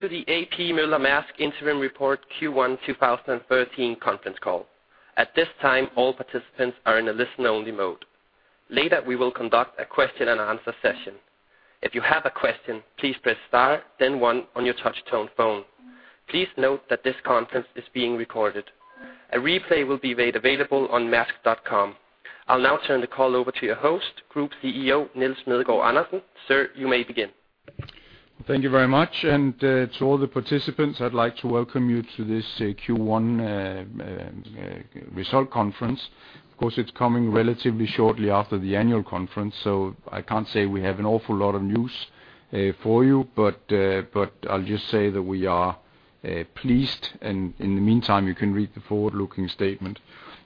To the A.P. Møller-Mærsk Interim Report Q1 2013 conference call. At this time, all participants are in a listen-only mode. Later, we will conduct a question and answer session. If you have a question, please press star then one on your touch tone phone. Please note that this conference is being recorded. A replay will be made available on maersk.com. I'll now turn the call over to your host, Group CEO, Nils Smedegaard Andersen. Sir, you may begin. Thank you very much. To all the participants, I'd like to welcome you to this Q1 results conference. Of course, it's coming relatively shortly after the annual conference, so I can't say we have an awful lot of news for you. I'll just say that we are pleased, and in the meantime, you can read the forward-looking statement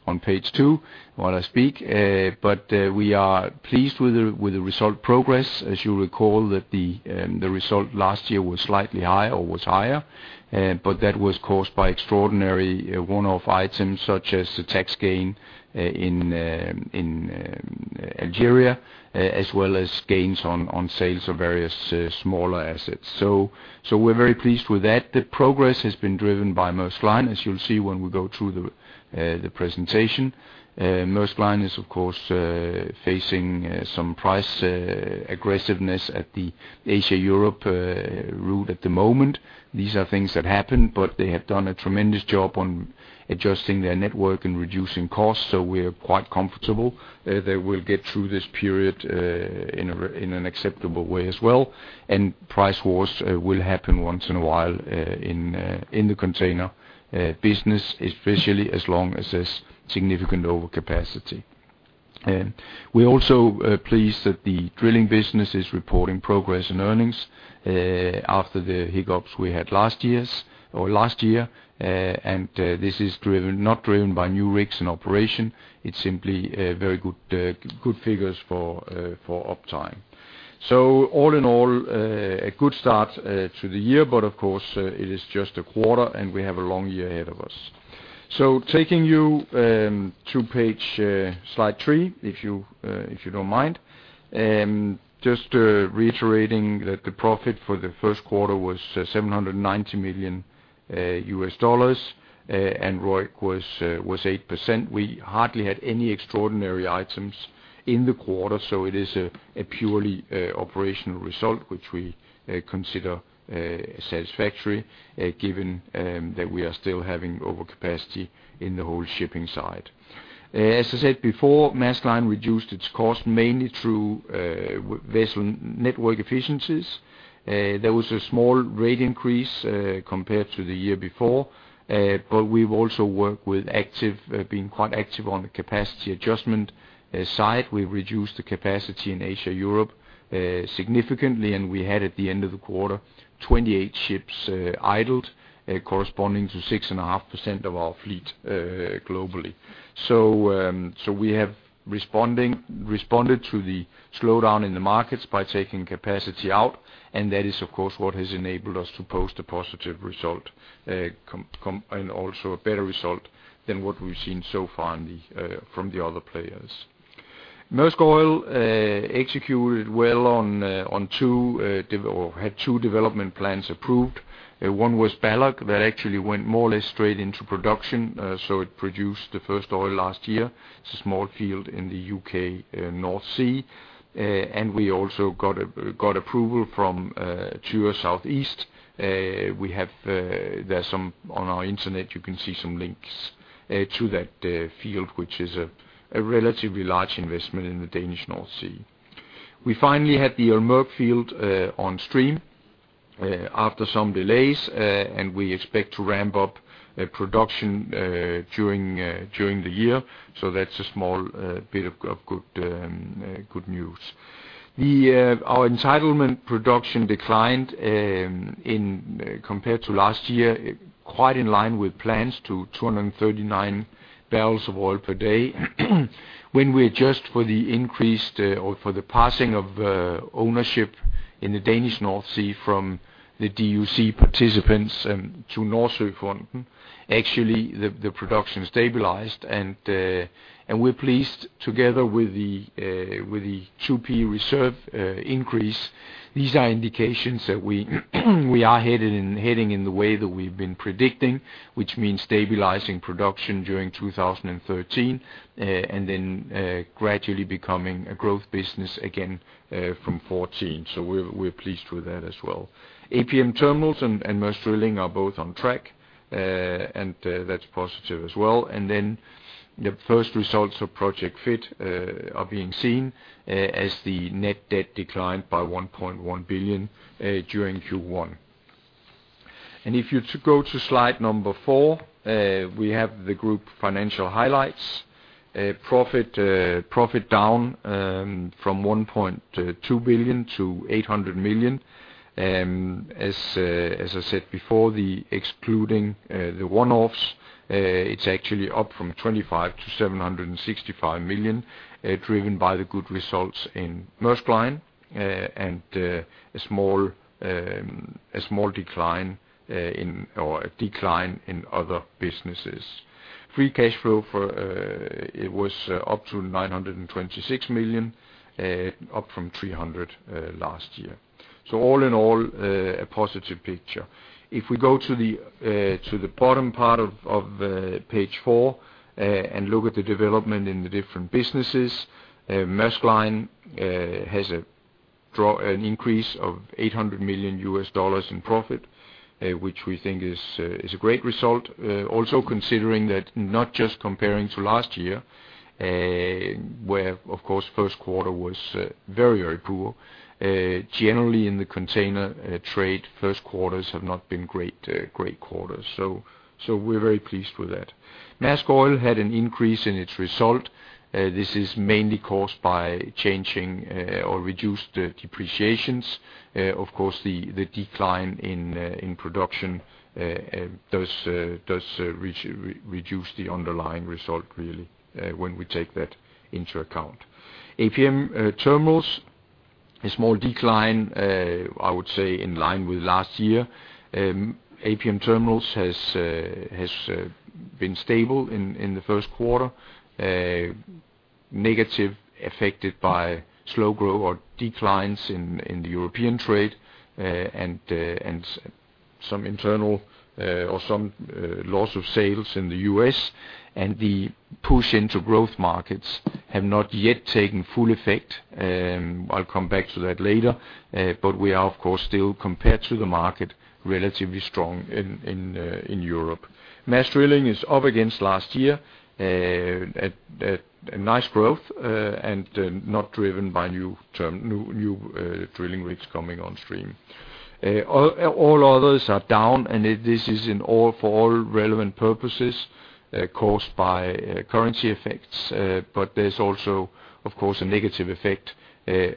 on page two while I speak. We are pleased with the results progress. As you'll recall that the results last year was slightly high or was higher, but that was caused by extraordinary one-off items such as the tax gain in Algeria, as well as gains on sales of various smaller assets. We're very pleased with that. The progress has been driven by Maersk Line, as you'll see when we go through the presentation. Maersk Line is of course facing some price aggressiveness at the Asia-Europe route at the moment. These are things that happen, but they have done a tremendous job on adjusting their network and reducing costs, so we're quite comfortable. They will get through this period in an acceptable way as well. Price wars will happen once in a while in the container business, especially as long as there's significant overcapacity. We're also pleased that the drilling business is reporting progress in earnings after the hiccups we had last year. This is not driven by new rigs in operation. It's simply very good figures for uptime. All in all, a good start to the year, but of course, it is just a quarter, and we have a long year ahead of us. Taking you to page slide three, if you don't mind. Just reiterating that the profit for the first quarter was $790 million, and ROIC was 8%. We hardly had any extraordinary items in the quarter, so it is a purely operational result, which we consider satisfactory, given that we are still having overcapacity in the whole shipping side. As I said before, Maersk Line reduced its cost mainly through vessel network efficiencies. There was a small rate increase compared to the year before, but we've also worked actively, being quite active on the capacity adjustment side. We reduced the capacity in Asia, Europe significantly, and we had at the end of the quarter 28 ships idled, corresponding to 6.5% of our fleet globally. We responded to the slowdown in the markets by taking capacity out, and that is of course what has enabled us to post a positive result and also a better result than what we've seen so far from the other players. Maersk Oil executed well on two or had two development plans approved. One was Balloch. That actually went more or less straight into production, so it produced the first oil last year. It's a small field in the U.K. North Sea. We also got approval from Tyra Southeast. There's some on our intranet you can see some links to that field, which is a relatively large investment in the Danish North Sea. We finally had the Irminger field on stream after some delays, and we expect to ramp up production during the year. That's a small bit of good news. Our entitlement production declined compared to last year, quite in line with plans to 239 bbl of oil per day. When we adjust for the increased or for the passing of ownership in the Danish North Sea from the DUC participants to Nordsøfonden, actually, the production stabilized, and we're pleased together with the 2P reserve increase. These are indications that we are heading in the way that we've been predicting, which means stabilizing production during 2013 and then gradually becoming a growth business again from 2014. We're pleased with that as well. APM Terminals and Maersk Drilling are both on track, and that's positive as well. The first results of Project Fit are being seen as the net debt declined by $1.1 billion during Q1. If you go to slide four, we have the group financial highlights. Profit down from $1.2 billion to $800 million. As I said before, excluding the one-offs, it's actually up from $25 million to $765 million, driven by the good results in Maersk Line and a small decline in other businesses. Free cash flow was up to $926 million, up from $300 million last year. All in all, a positive picture. If we go to the bottom part of page four and look at the development in the different businesses. Maersk Line has an increase of $800 million in profit, which we think is a great result. Also considering that not just comparing to last year, where, of course, first quarter was very, very poor. Generally in the container trade, first quarters have not been great quarters. We're very pleased with that. Maersk Oil had an increase in its result. This is mainly caused by changing or reduced depreciations. Of course, the decline in production does reduce the underlying result really, when we take that into account. APM Terminals, a small decline, I would say in line with last year. APM Terminals has been stable in the first quarter. Negatively affected by slow growth or declines in the European trade, and some internal or some loss of sales in the U.S. The push into growth markets have not yet taken full effect. I'll come back to that later. We are, of course, still compared to the market, relatively strong in Europe. Maersk Drilling is up against last year at a nice growth, and not driven by new drilling rigs coming on stream. All others are down, and this is, for all relevant purposes, caused by currency effects. There's also, of course, a negative effect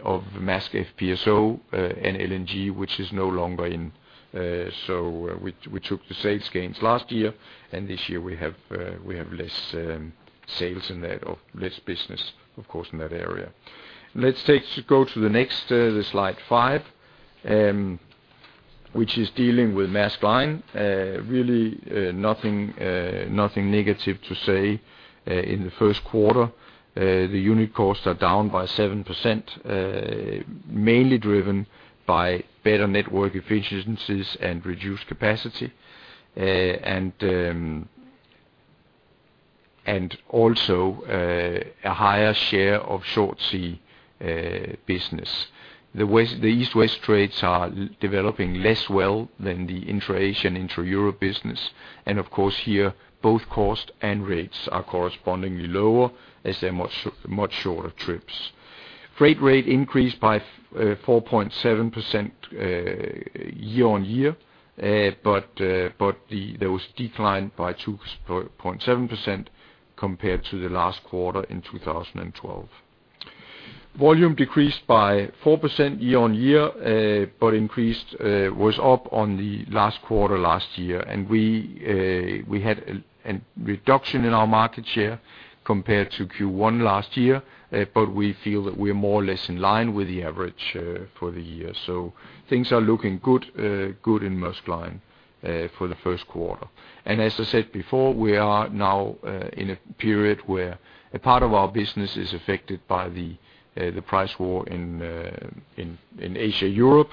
of Maersk FPSO and LNG, which is no longer in, so we took the sales gains last year, and this year we have less sales in that or less business, of course, in that area. Let's go to the next slide five, which is dealing with Maersk Line. Really nothing negative to say in the first quarter. The unit costs are down by 7%, mainly driven by better network efficiencies and reduced capacity. And also a higher share of short sea business. The East-West trades are developing less well than the intra-Asian, intra-Europe business. Of course, here, both cost and rates are correspondingly lower as they're much shorter trips. Freight rate increased by 4.7% year-on-year. But there was decline by 2.7% compared to the last quarter in 2012. Volume decreased by 4% year-on-year, but was up on the last quarter last year. We had a reduction in our market share compared to Q1 last year. We feel that we are more or less in line with the average for the year. Things are looking good in Maersk Line for the first quarter. As I said before, we are now in a period where a part of our business is affected by the price war in Asia-Europe.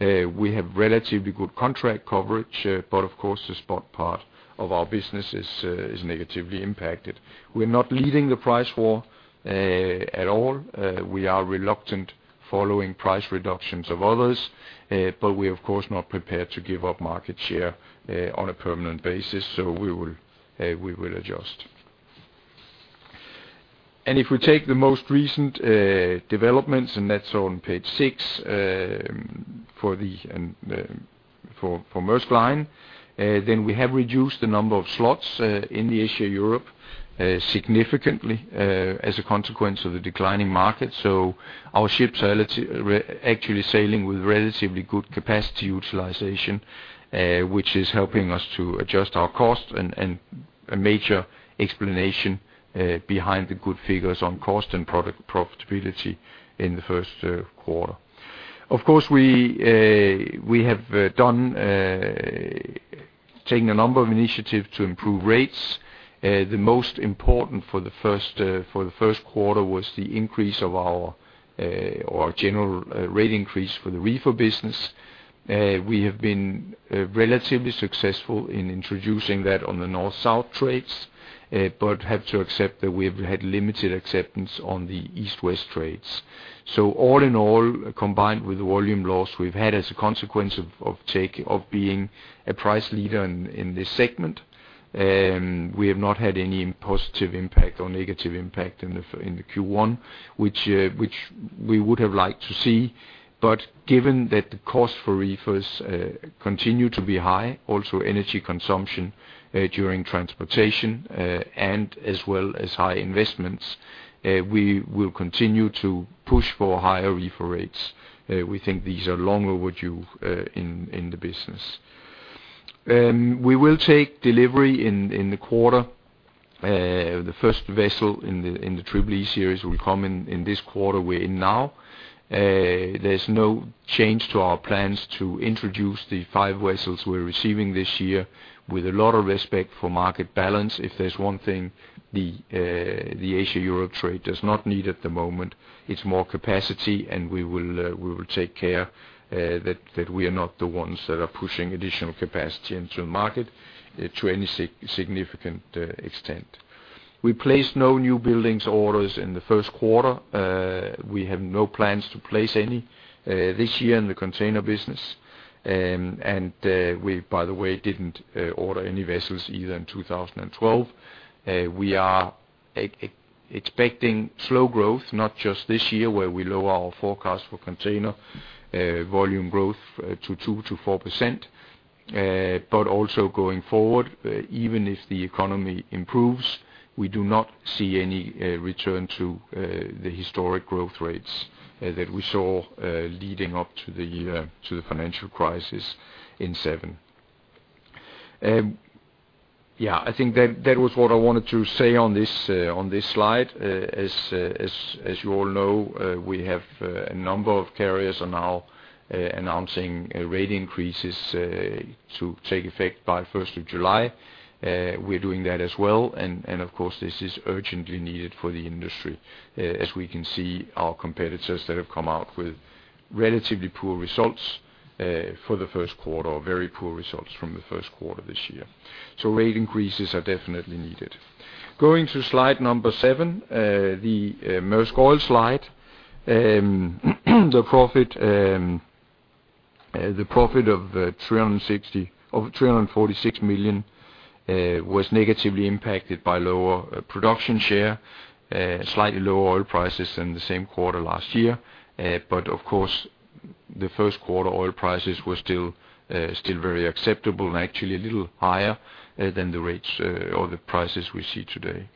We have relatively good contract coverage, but of course, the spot part of our business is negatively impacted. We're not leading the price war at all. We are reluctant following price reductions of others. We are, of course, not prepared to give up market share on a permanent basis. We will adjust. If we take the most recent developments, and that's on page six, for Maersk Line, then we have reduced the number of slots in the Asia-Europe significantly as a consequence of the declining market. Our ships are actually sailing with relatively good capacity utilization, which is helping us to adjust our cost and a major explanation behind the good figures on cost and product profitability in the first quarter. Of course, we have taken a number of initiatives to improve rates. The most important for the first quarter was the increase of our general rate increase for the reefer business. We have been relatively successful in introducing that on the North-South trades, but have to accept that we have had limited acceptance on the East-West trades. All in all, combined with volume loss we've had as a consequence of being a price leader in this segment, we have not had any positive impact or negative impact in the Q1, which we would have liked to see. Given that the cost for reefers continue to be high, also energy consumption during transportation, and as well as high investments, we will continue to push for higher reefer rates. We think these are long overdue in the business. We will take delivery in the quarter. The first vessel in the Triple-E series will come in this quarter we're in now. There's no change to our plans to introduce the five vessels we're receiving this year with a lot of respect for market balance. If there's one thing the Asia-Europe trade does not need at the moment, it's more capacity, and we will take care that we are not the ones that are pushing additional capacity into the market to any significant extent. We placed no newbuilding orders in the first quarter. We have no plans to place any this year in the container business. We, by the way, didn't order any vessels either in 2012. We are expecting slow growth, not just this year, where we lower our forecast for container volume growth to 2%-4%, but also going forward. Even if the economy improves, we do not see any return to the historic growth rates that we saw leading up to the financial crisis in 2007. Yeah, I think that was what I wanted to say on this slide. As you all know, we have a number of carriers are now announcing rate increases to take effect by first of July. We're doing that as well, and of course, this is urgently needed for the industry. As we can see our competitors that have come out with relatively poor results for the first quarter, or very poor results from the first quarter this year. Rate increases are definitely needed. Going to slide number seven, the Maersk Oil slide. The profit of $346 million was negatively impacted by lower production share, slightly lower oil prices than the same quarter last year. Of course, the first quarter oil prices were still very acceptable, and actually a little higher than the rates or the prices we see today.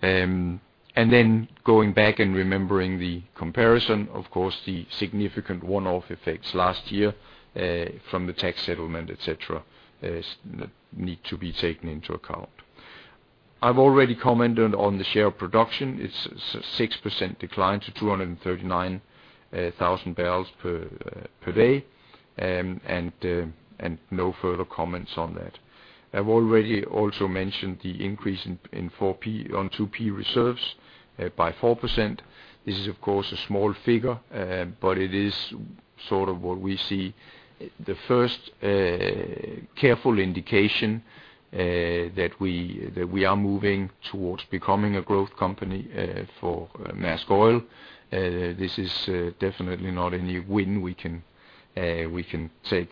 Going back and remembering the comparison, of course, the significant one-off effects last year from the tax settlement, et cetera, is need to be taken into account. I've already commented on the share of production. It's a 6% decline to 239,000 bbl per day. No further comments on that. I've already also mentioned the increase in 4P on 2P reserves by 4%. This is, of course, a small figure, but it is sort of what we see, the first careful indication that we are moving towards becoming a growth company for Maersk Oil. This is definitely not any win we can take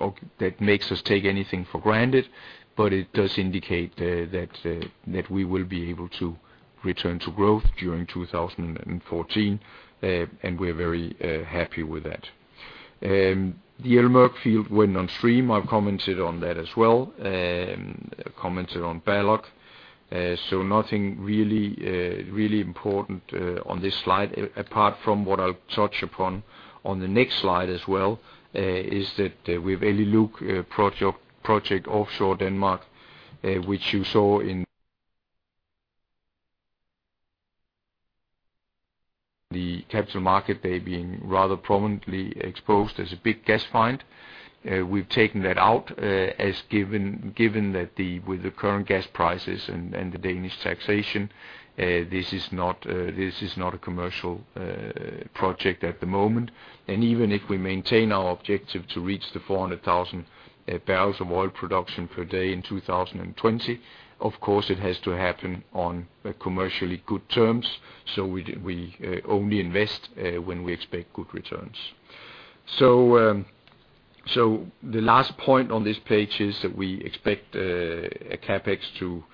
or that makes us take anything for granted, but it does indicate that we will be able to return to growth during 2014. We're very happy with that. The El Merk field went on stream. I've commented on that as well. Commented on Balloch. Nothing really important on this slide, apart from what I'll touch upon on the next slide as well, is that we've Elly‑Luke project offshore Denmark, which you saw in the Capital Markets Day being rather prominently exposed as a big gas find. We've taken that out as given that with the current gas prices and the Danish taxation, this is not a commercial project at the moment. Even if we maintain our objective to reach the 400,000 bbl of oil production per day in 2020, of course, it has to happen on commercially good terms. We only invest when we expect good returns. The last point on this page is that we expect a CapEx to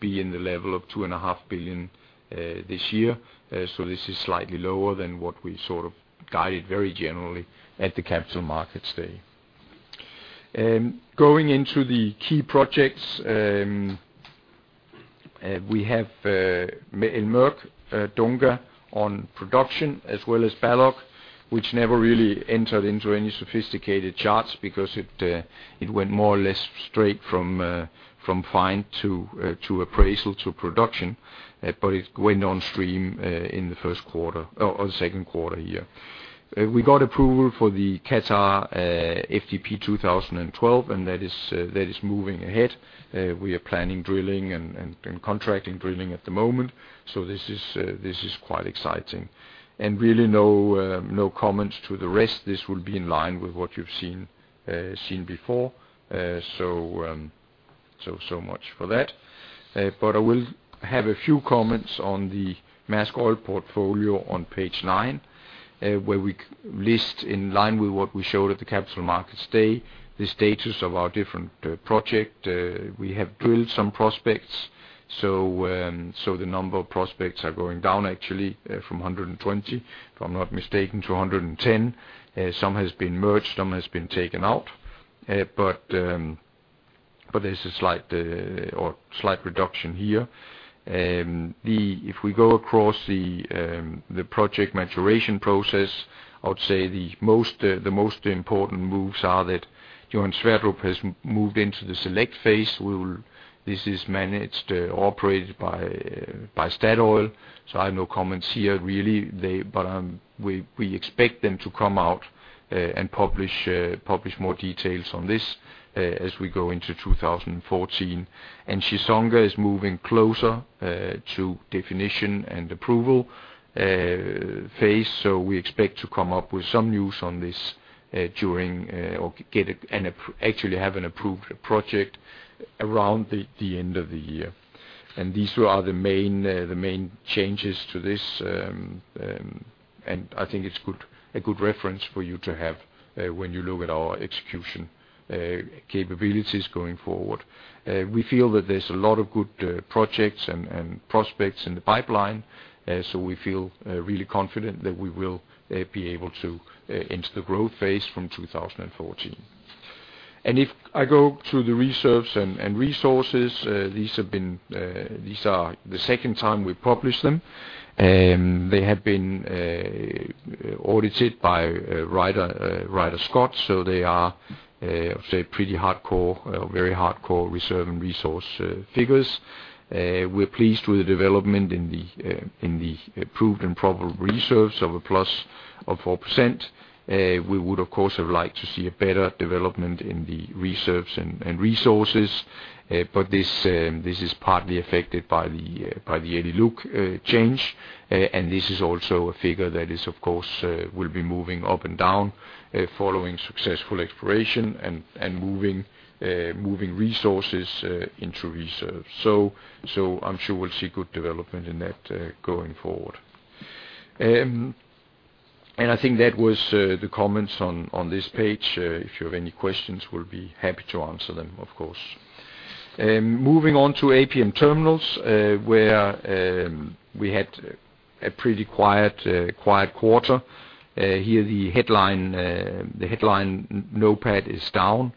be in the level of $2.5 billion this year. This is slightly lower than what we sort of guided very generally at the Capital Markets Day. Going into the key projects, we have El Merk, Dunga on production as well as Balloch, which never really entered into any sophisticated charts because it went more or less straight from find to appraisal to production, but it went on stream in the first quarter or the second quarter here. We got approval for the Qatar FDP 2012, and that is moving ahead. We are planning drilling and contracting drilling at the moment. This is quite exciting. Really no comments to the rest. This will be in line with what you've seen before. Much for that. I will have a few comments on the Maersk Oil portfolio on page nine, where we list in line with what we showed at the Capital Markets Day, the status of our different projects. We have drilled some prospects. The number of prospects is going down actually from 120, if I'm not mistaken, to 110. Some has been merged, some has been taken out. But there's a slight reduction here. If we go across the project maturation process, I would say the most important moves are that Johan Sverdrup has moved into the select phase. This is operated by Statoil, so I have no comments here really. We expect them to come out and publish more details on this as we go into 2014. Chissonga is moving closer to definition and approval phase, so we expect to come up with some news on this during or actually have an approved project around the end of the year. These are the main changes to this, and I think it's a good reference for you to have when you look at our execution capabilities going forward. We feel that there's a lot of good projects and prospects in the pipeline, so we feel really confident that we will be able to enter the growth phase from 2014. If I go to the reserves and resources, these are the second time we publish them. They have been audited by Ryder Scott, so they are, I would say pretty hardcore, very hardcore reserve and resource figures. We're pleased with the development in the proved and probable reserves of +4%. We would of course have liked to see a better development in the reserves and resources, but this is partly affected by the Elly‑Luke change. This is also a figure that is, of course, will be moving up and down following successful exploration and moving resources into reserves. I'm sure we'll see good development in that going forward. I think that was the comments on this page. If you have any questions, we'll be happy to answer them, of course. Moving on to APM Terminals, where we had a pretty quiet quarter. Here the headline NOPAT is down.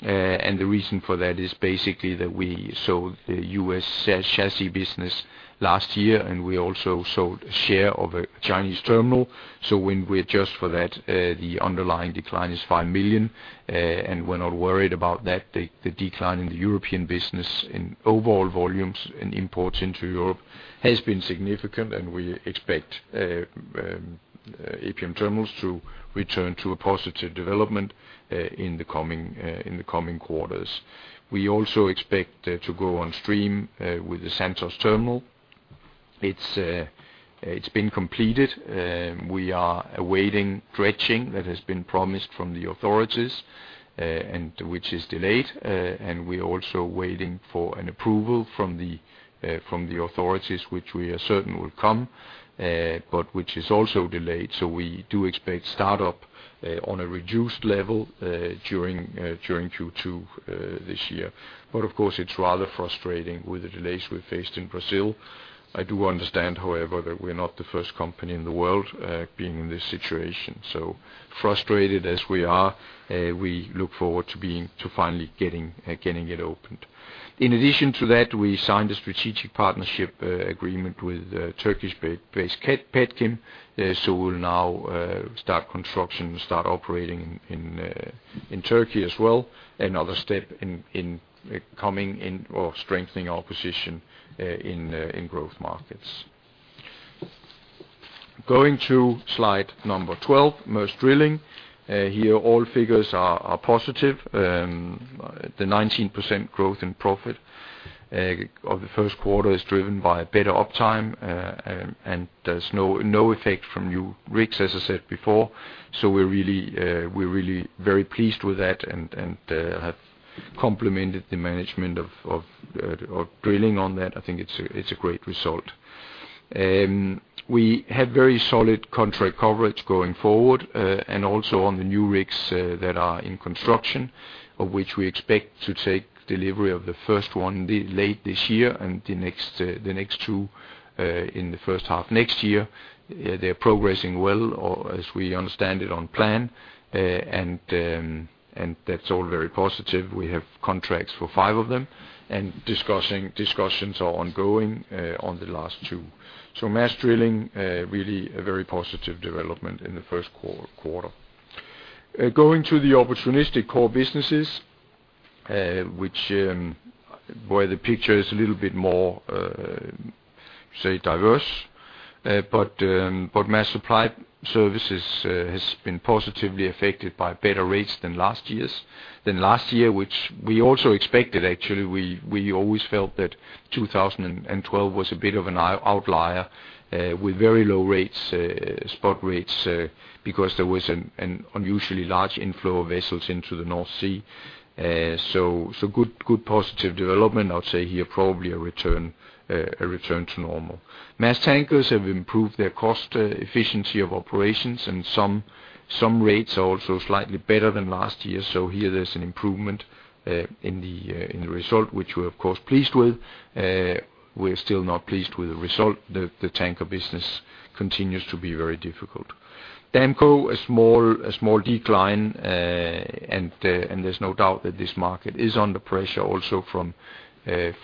The reason for that is basically that we sold the U.S. chassis business last year, and we also sold a share of a Chinese terminal. So when we adjust for that, the underlying decline is $5 million, and we're not worried about that. The decline in the European business in overall volumes and imports into Europe has been significant, and we expect APM Terminals to return to a positive development in the coming quarters. We also expect to go on stream with the Santos Terminal. It's been completed. We are awaiting dredging that has been promised from the authorities, and which is delayed. We're also waiting for an approval from the authorities, which we are certain will come, but which is also delayed. We do expect start-up on a reduced level during Q2 this year. Of course, it's rather frustrating with the delays we faced in Brazil. I do understand, however, that we're not the first company in the world being in this situation. Frustrated as we are, we look forward to finally getting it opened. In addition to that, we signed a strategic partnership agreement with Turkish-based Petkim. We'll now start construction and start operating in Turkey as well, another step in coming and strengthening our position in growth markets. Going to slide number 12, Maersk Drilling. Here all figures are positive. The 19% growth in profit of the first quarter is driven by better uptime, and there's no effect from new rigs, as I said before. We're really very pleased with that and have complimented the management of drilling on that. I think it's a great result. We have very solid contract coverage going forward, and also on the new rigs that are in construction, of which we expect to take delivery of the first one in late this year and the next two in the first half next year. They're progressing well or as we understand it, on plan. That's all very positive. We have contracts for five of them and discussions are ongoing on the last two. Maersk Drilling really a very positive development in the first quarter. Going to the opportunistic core businesses, where the picture is a little bit more diverse. Maersk Supply Service has been positively affected by better rates than last year, which we also expected actually. We always felt that 2012 was a bit of an outlier with very low spot rates, because there was an unusually large inflow of vessels into the North Sea. Good positive development. I would say here probably a return to normal. Maersk Tankers have improved their cost efficiency of operations and some rates are also slightly better than last year. Here there's an improvement in the result, which we're of course pleased with. We're still not pleased with the result. The tanker business continues to be very difficult. Damco, a small decline. There's no doubt that this market is under pressure also from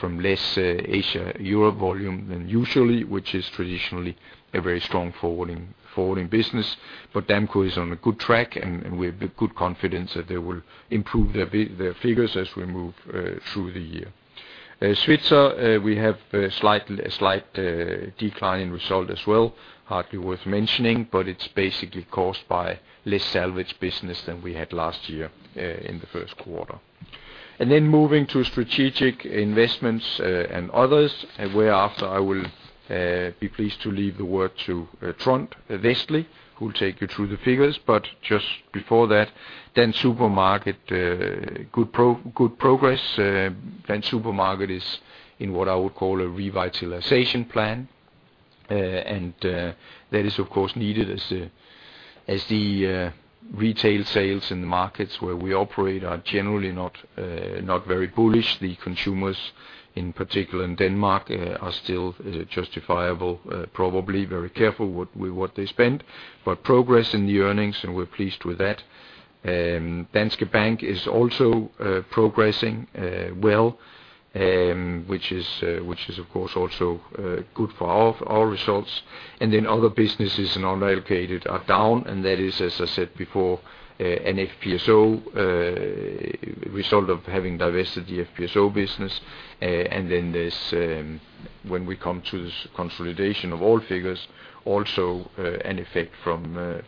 less Asia-Europe volume than usually, which is traditionally a very strong forwarding business. Damco is on a good track, and we have a good confidence that they will improve their figures as we move through the year. Svitzer, we have a slight decline in result as well, hardly worth mentioning, but it's basically caused by less salvage business than we had last year in the first quarter. Moving to strategic investments and others, and whereafter I will be pleased to leave the word to Trond Westlie, who will take you through the figures. Just before that, Dansk Supermarked good progress. Dansk Supermarked is in what I would call a revitalization plan. That is of course needed as the retail sales in the markets where we operate are generally not very bullish. The consumers, in particular in Denmark, are still justifiably probably very careful with what they spend. Progress in the earnings, and we're pleased with that. Danske Bank is also progressing well, which is of course also good for our results. Other businesses and unallocated are down, and that is, as I said before, an FPSO result of having divested the FPSO business. There's, when we come to this consolidation of all figures, also an effect from the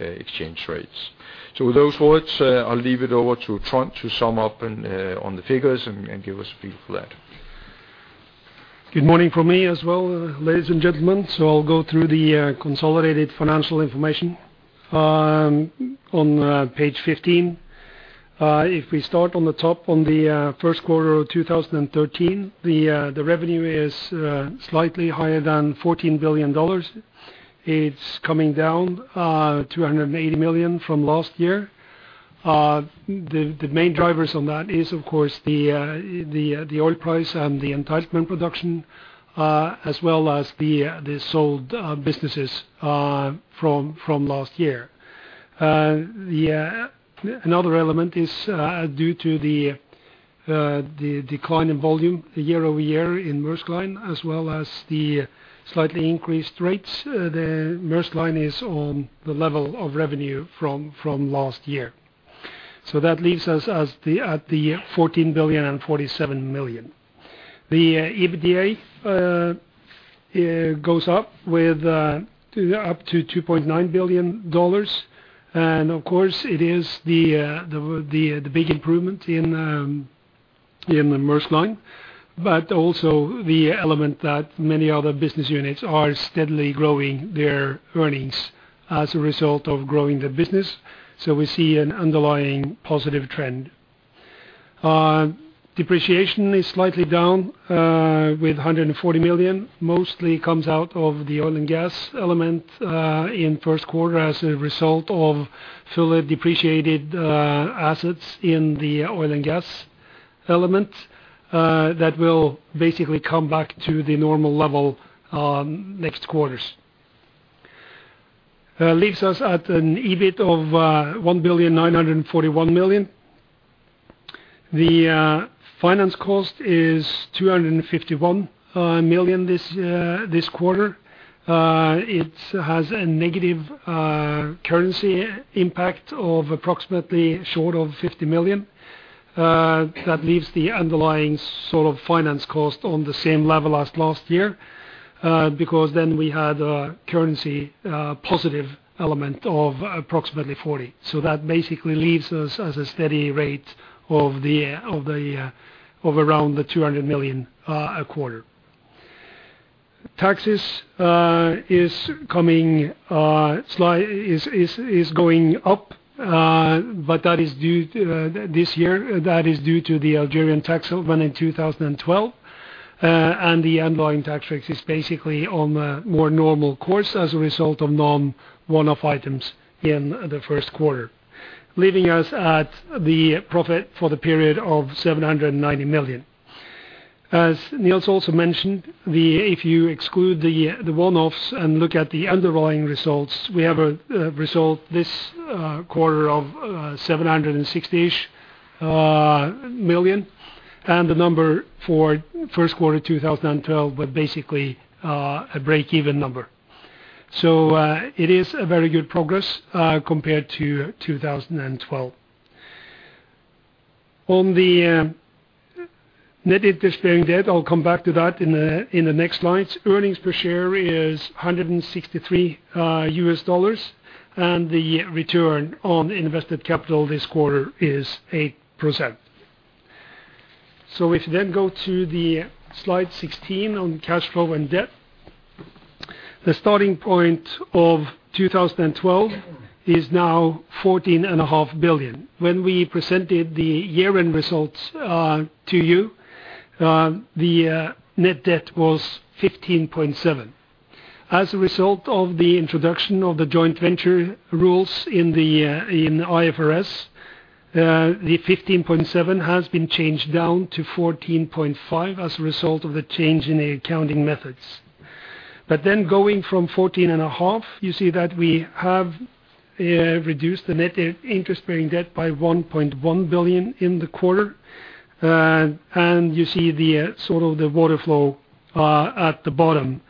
exchange rates. With those words, I'll leave it over to Trond to sum up and on the figures and give us a view for that. Good morning from me as well, ladies and gentlemen. I'll go through the consolidated financial information on page 15. If we start on the top on the first quarter of 2013, the revenue is slightly higher than $14 billion. It's coming down $280 million from last year. The main drivers on that is of course the oil price and the entitlement production as well as the sold businesses from last year. Another element is due to the decline in volume year-over-year in Maersk Line as well as the slightly increased rates. The Maersk Line is on the level of revenue from last year. That leaves us at the $14.047 billion. The EBITDA goes up to $2.9 billion. Of course, it is the big improvement in the Maersk Line, but also the element that many other business units are steadily growing their earnings as a result of growing the business. We see an underlying positive trend. Depreciation is slightly down with $140 million. Mostly comes out of the oil and gas element in first quarter as a result of fully depreciated assets in the oil and gas element that will basically come back to the normal level next quarters. Leaves us at an EBIT of $1.941 billion. The finance cost is $251 million this quarter. It has a negative currency impact of approximately $50 million. That leaves the underlying sort of finance cost on the same level as last year because then we had a currency positive element of approximately $40. That basically leaves us as a steady rate of around $200 million a quarter. Taxes is going up but that is due to the Algerian tax ruling in 2012. The underlying tax rate is basically on a more normal course as a result of non-one-off items in the first quarter. Leaving us at the profit for the period of $790 million. As Niels also mentioned, if you exclude the one-offs and look at the underlying results, we have a result this quarter of $760-ish million. The number for first quarter 2012 was basically a break-even number. It is a very good progress compared to 2012. On the net interest-bearing debt, I'll come back to that in the next slides. Earnings per share is $163, and the return on invested capital this quarter is 8%. If you then go to slide 16 on cash flow and debt. The starting point of 2012 is now $14.5 billion. When we presented the year-end results to you. The net debt was $15.7 billion. As a result of the introduction of the joint venture rules in IFRS, the $15.7 billion has been changed down to $14.5 billion as a result of the change in the accounting methods. Going from $14.5 billion, you see that we have reduced the net interest-bearing debt by $1.1 billion in the quarter. You see the sort of cash flow at the bottom.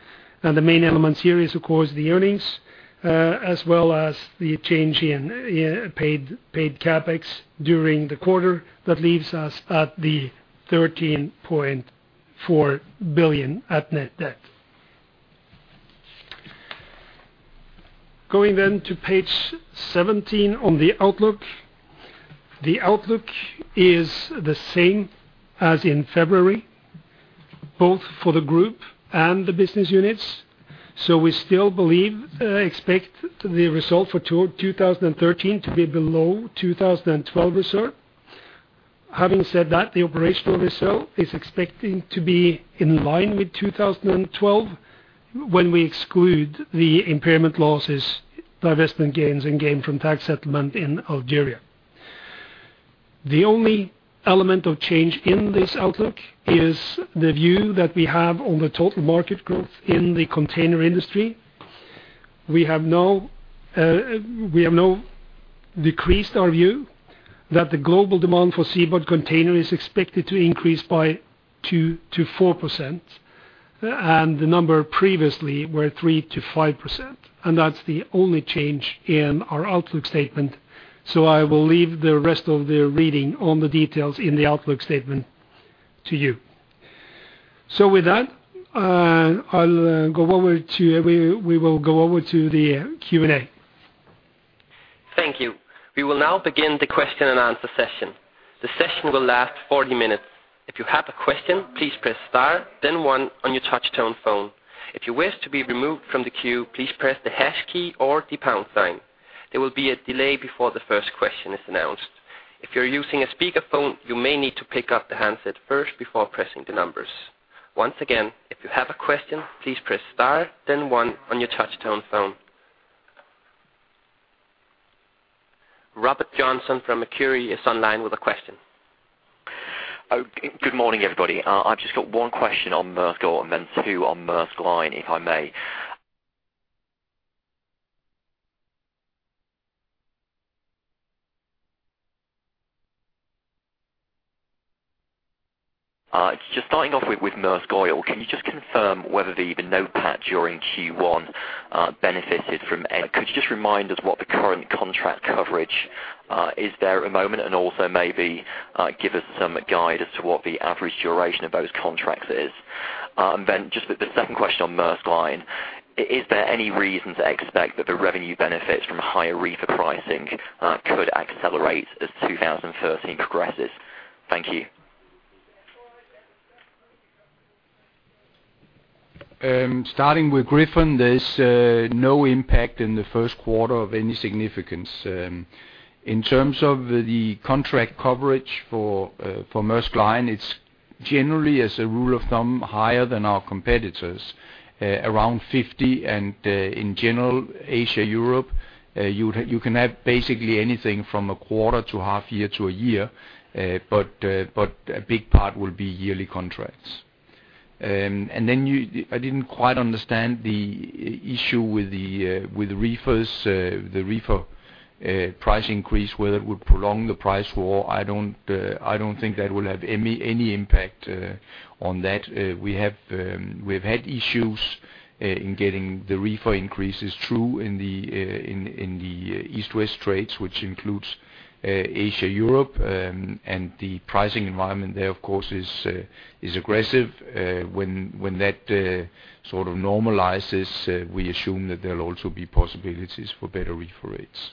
The main elements here is, of course, the earnings, as well as the change in paid CapEx during the quarter. That leaves us at the $13.4 billion at net debt. Going to page 17 on the outlook. The outlook is the same as in February, both for the group and the business units. We still believe, expect the result for 2013 to be below 2012 result. Having said that, the operational result is expecting to be in line with 2012 when we exclude the impairment losses, divestment gains, and gain from tax settlement in Algeria. The only element of change in this outlook is the view that we have on the total market growth in the container industry. We have now decreased our view that the global demand for seaborne container is expected to increase by 2%-4%, and the number previously were 3%-5%. That's the only change in our outlook statement, so I will leave the rest of the reading on the details in the outlook statement to you. With that, we will go over to the Q&A. Thank you. We will now begin the question and answer session. The session will last 40 minutes. If you have a question, please press star then one on your touch tone phone. If you wish to be removed from the queue, please press the hash key or the pound sign. There will be a delay before the first question is announced. If you're using a speaker phone, you may need to pick up the handset first before pressing the numbers. Once again, if you have a question, please press star then one on your touch tone phone. Robert Gillam from McKinley is online with a question. Good morning, everybody. I've just got one question on Maersk Oil and then two on Maersk Line, if I may. Just starting off with Maersk Oil, could you just remind us what the current contract coverage is there at the moment and also maybe give us some guide as to what the average duration of those contracts is? Then just the second question on Maersk Line. Is there any reason to expect that the revenue benefits from higher reefer pricing could accelerate as 2013 progresses? Thank you. Starting with Gryphon, there's no impact in the first quarter of any significance. In terms of the contract coverage for Maersk Line, it's generally, as a rule of thumb, higher than our competitors, around 50%. In general, Asia/Europe, you'd have, you can have basically anything from a quarter to a half year to a year. A big part will be yearly contracts. I didn't quite understand the issue with reefers, the reefer price increase, whether it would prolong the price war. I don't think that will have any impact on that. We've had issues in getting the reefer increases through in the East-West trades, which includes Asia/Europe. The pricing environment there, of course, is aggressive. When that sort of normalizes, we assume that there'll also be possibilities for better reefer rates.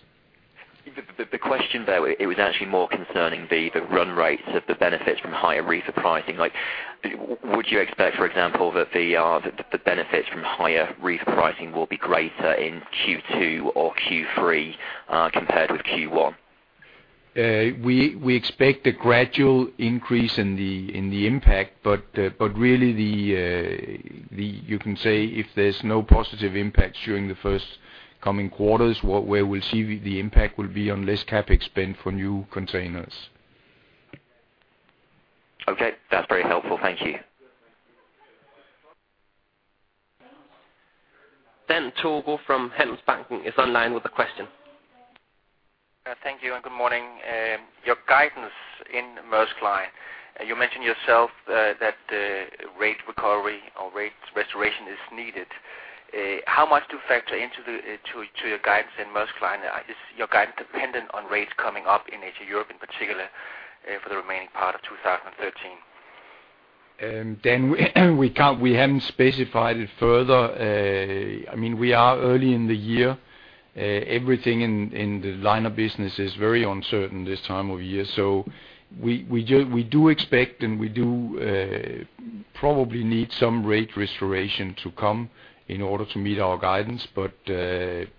The question though, it was actually more concerning the run rates of the benefits from higher reefer pricing. Like, would you expect, for example, that the benefits from higher reefer pricing will be greater in Q2 or Q3, compared with Q1? We expect a gradual increase in the impact. Really, you can say if there's no positive impact during the forthcoming quarters, what we will see the impact will be on less CapEx spend for new containers. Okay. That's very helpful. Thank you. Dan Togo from Handelsbanken is online with a question. Thank you and good morning. Your guidance in Maersk Line, you mentioned yourself that rate recovery or rate restoration is needed. How much do you factor into your guidance in Maersk Line? Is your guidance dependent on rates coming up in Asia/Europe in particular for the remaining part of 2013? Dan, we can't, we haven't specified it further. I mean, we are early in the year. Everything in the line of business is very uncertain this time of year. We do expect and we do probably need some rate restoration to come in order to meet our guidance, but it's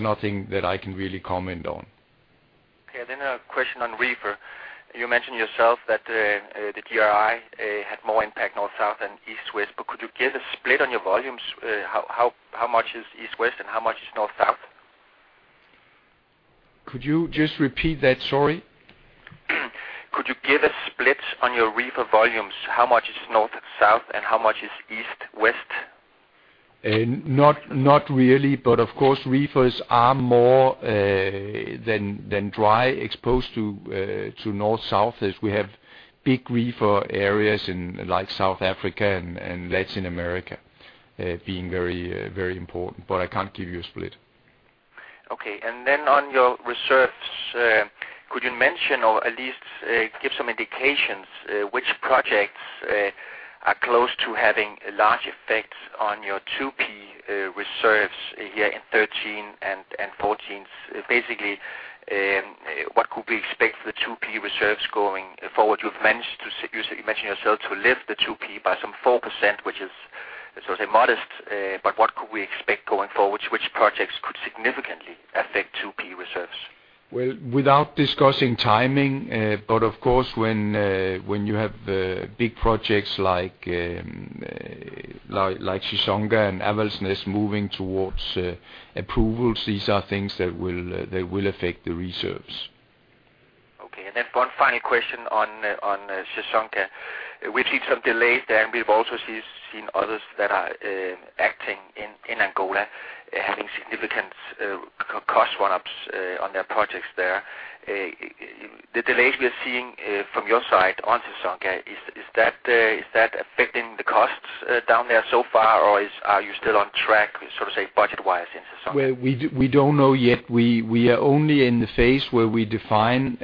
nothing that I can really comment on. Okay. Then a question on reefer. You mentioned yourself that the GRI had more impact north, south and east, west, but could you give a split on your volumes? How much is east, west, and how much is north, south? Could you just repeat that, sorry? Could you give a split on your reefer volumes? How much is north, south, and how much is east, west? Not really, but of course, reefers are more than dry exposed to north, south, as we have big reefer areas in like South Africa and Latin America, being very important, but I can't give you a split. Okay. On your reserves, could you mention, or at least, give some indications, which projects are close to having large effects on your 2P reserves here in 2013 and 2014? Basically, what could we expect for the 2P reserves going forward? You mentioned yourself to lift the 2P by some 4%, which is, as I say, modest. What could we expect going forward? Which projects could significantly affect 2P reserves? Well, without discussing timing, but of course, when you have big projects like Chissonga and Ivar Aasen moving towards approvals, these are things that will affect the reserves. Okay. One final question on Chissonga. We've seen some delays there, and we've also seen others that are active in Angola having significant cost overruns on their projects there. The delays we are seeing from your side on Chissonga, is that affecting the costs down there so far, or are you still on track, so to say, budget-wise in Chissonga? Well, we don't know yet. We are only in the phase where we define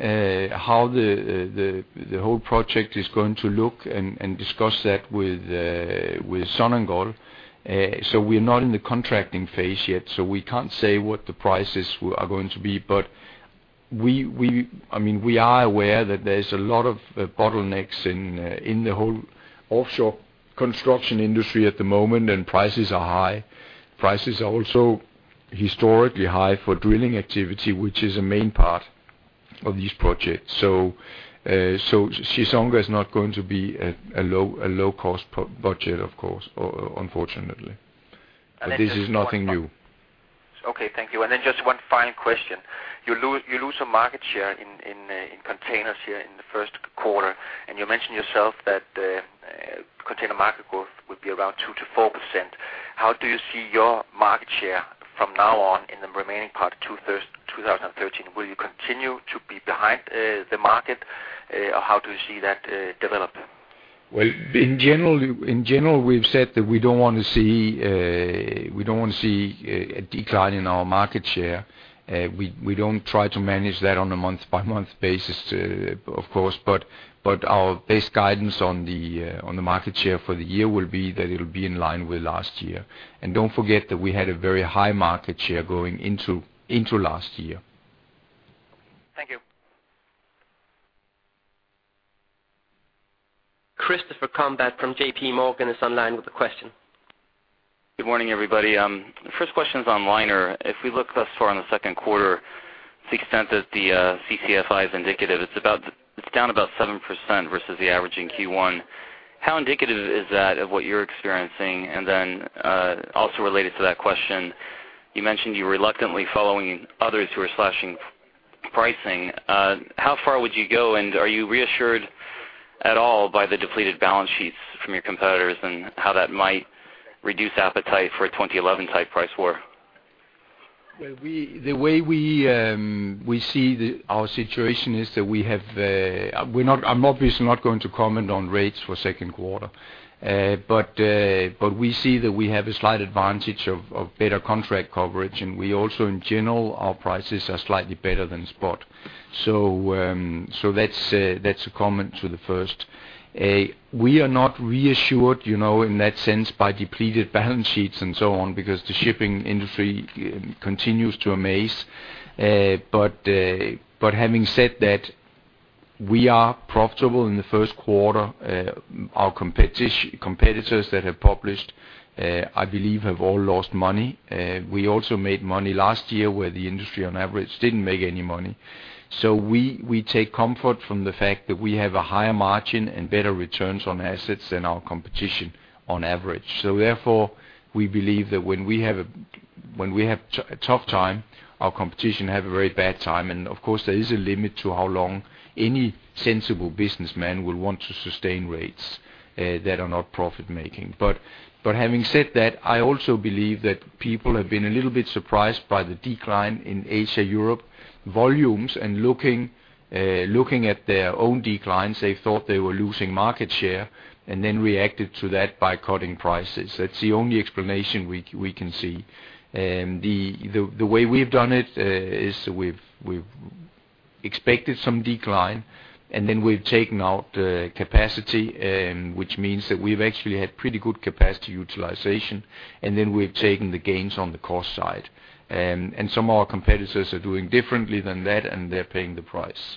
how the whole project is going to look and discuss that with Sonangol. We're not in the contracting phase yet, so we can't say what the prices are going to be. I mean, we are aware that there's a lot of bottlenecks in the whole offshore construction industry at the moment, and prices are high. Prices are also historically high for drilling activity, which is a main part of these projects. Chissonga is not going to be a low cost budget of course, unfortunately. And then just one fi- This is nothing new. Okay, thank you. Just one final question. You lose some market share in containers here in the first quarter, and you mentioned yourself that container market growth would be around 2%-4%. How do you see your market share from now on in the remaining part, 2013? Will you continue to be behind the market, or how do you see that develop? Well, in general, we've said that we don't want to see a decline in our market share. We don't try to manage that on a month-by-month basis, of course, but our best guidance on the market share for the year will be that it'll be in line with last year. Don't forget that we had a very high market share going into last year. Thank you. Christopher Combe from JPMorgan is online with a question. Good morning, everybody. The first question's on liner. If we look thus far in the second quarter, to the extent that the CCFI is indicative, it's down about 7% versus the average in Q1. How indicative is that of what you're experiencing? Also related to that question, you mentioned you're reluctantly following others who are slashing pricing. How far would you go, and are you reassured at all by the depleted balance sheets from your competitors and how that might reduce appetite for a 2011-type price war? The way we see our situation is that we have. We're not. I'm obviously not going to comment on rates for second quarter. We see that we have a slight advantage of better contract coverage, and we also, in general, our prices are slightly better than spot. That's a comment to the first. We are not reassured, you know, in that sense by depleted balance sheets and so on, because the shipping industry continues to amaze. Having said that, we are profitable in the first quarter. Our competitors that have published, I believe have all lost money. We also made money last year where the industry on average didn't make any money. We take comfort from the fact that we have a higher margin and better returns on assets than our competition on average. Therefore, we believe that when we have a tough time, our competition have a very bad time. Of course, there is a limit to how long any sensible businessman will want to sustain rates that are not profit making. But having said that, I also believe that people have been a little bit surprised by the decline in Asia-Europe volumes, and looking at their own declines, they thought they were losing market share and then reacted to that by cutting prices. That's the only explanation we can see. The way we've done it is we've expected some decline and then we've taken out capacity, and which means that we've actually had pretty good capacity utilization, and then we've taken the gains on the cost side. Some of our competitors are doing differently than that, and they're paying the price.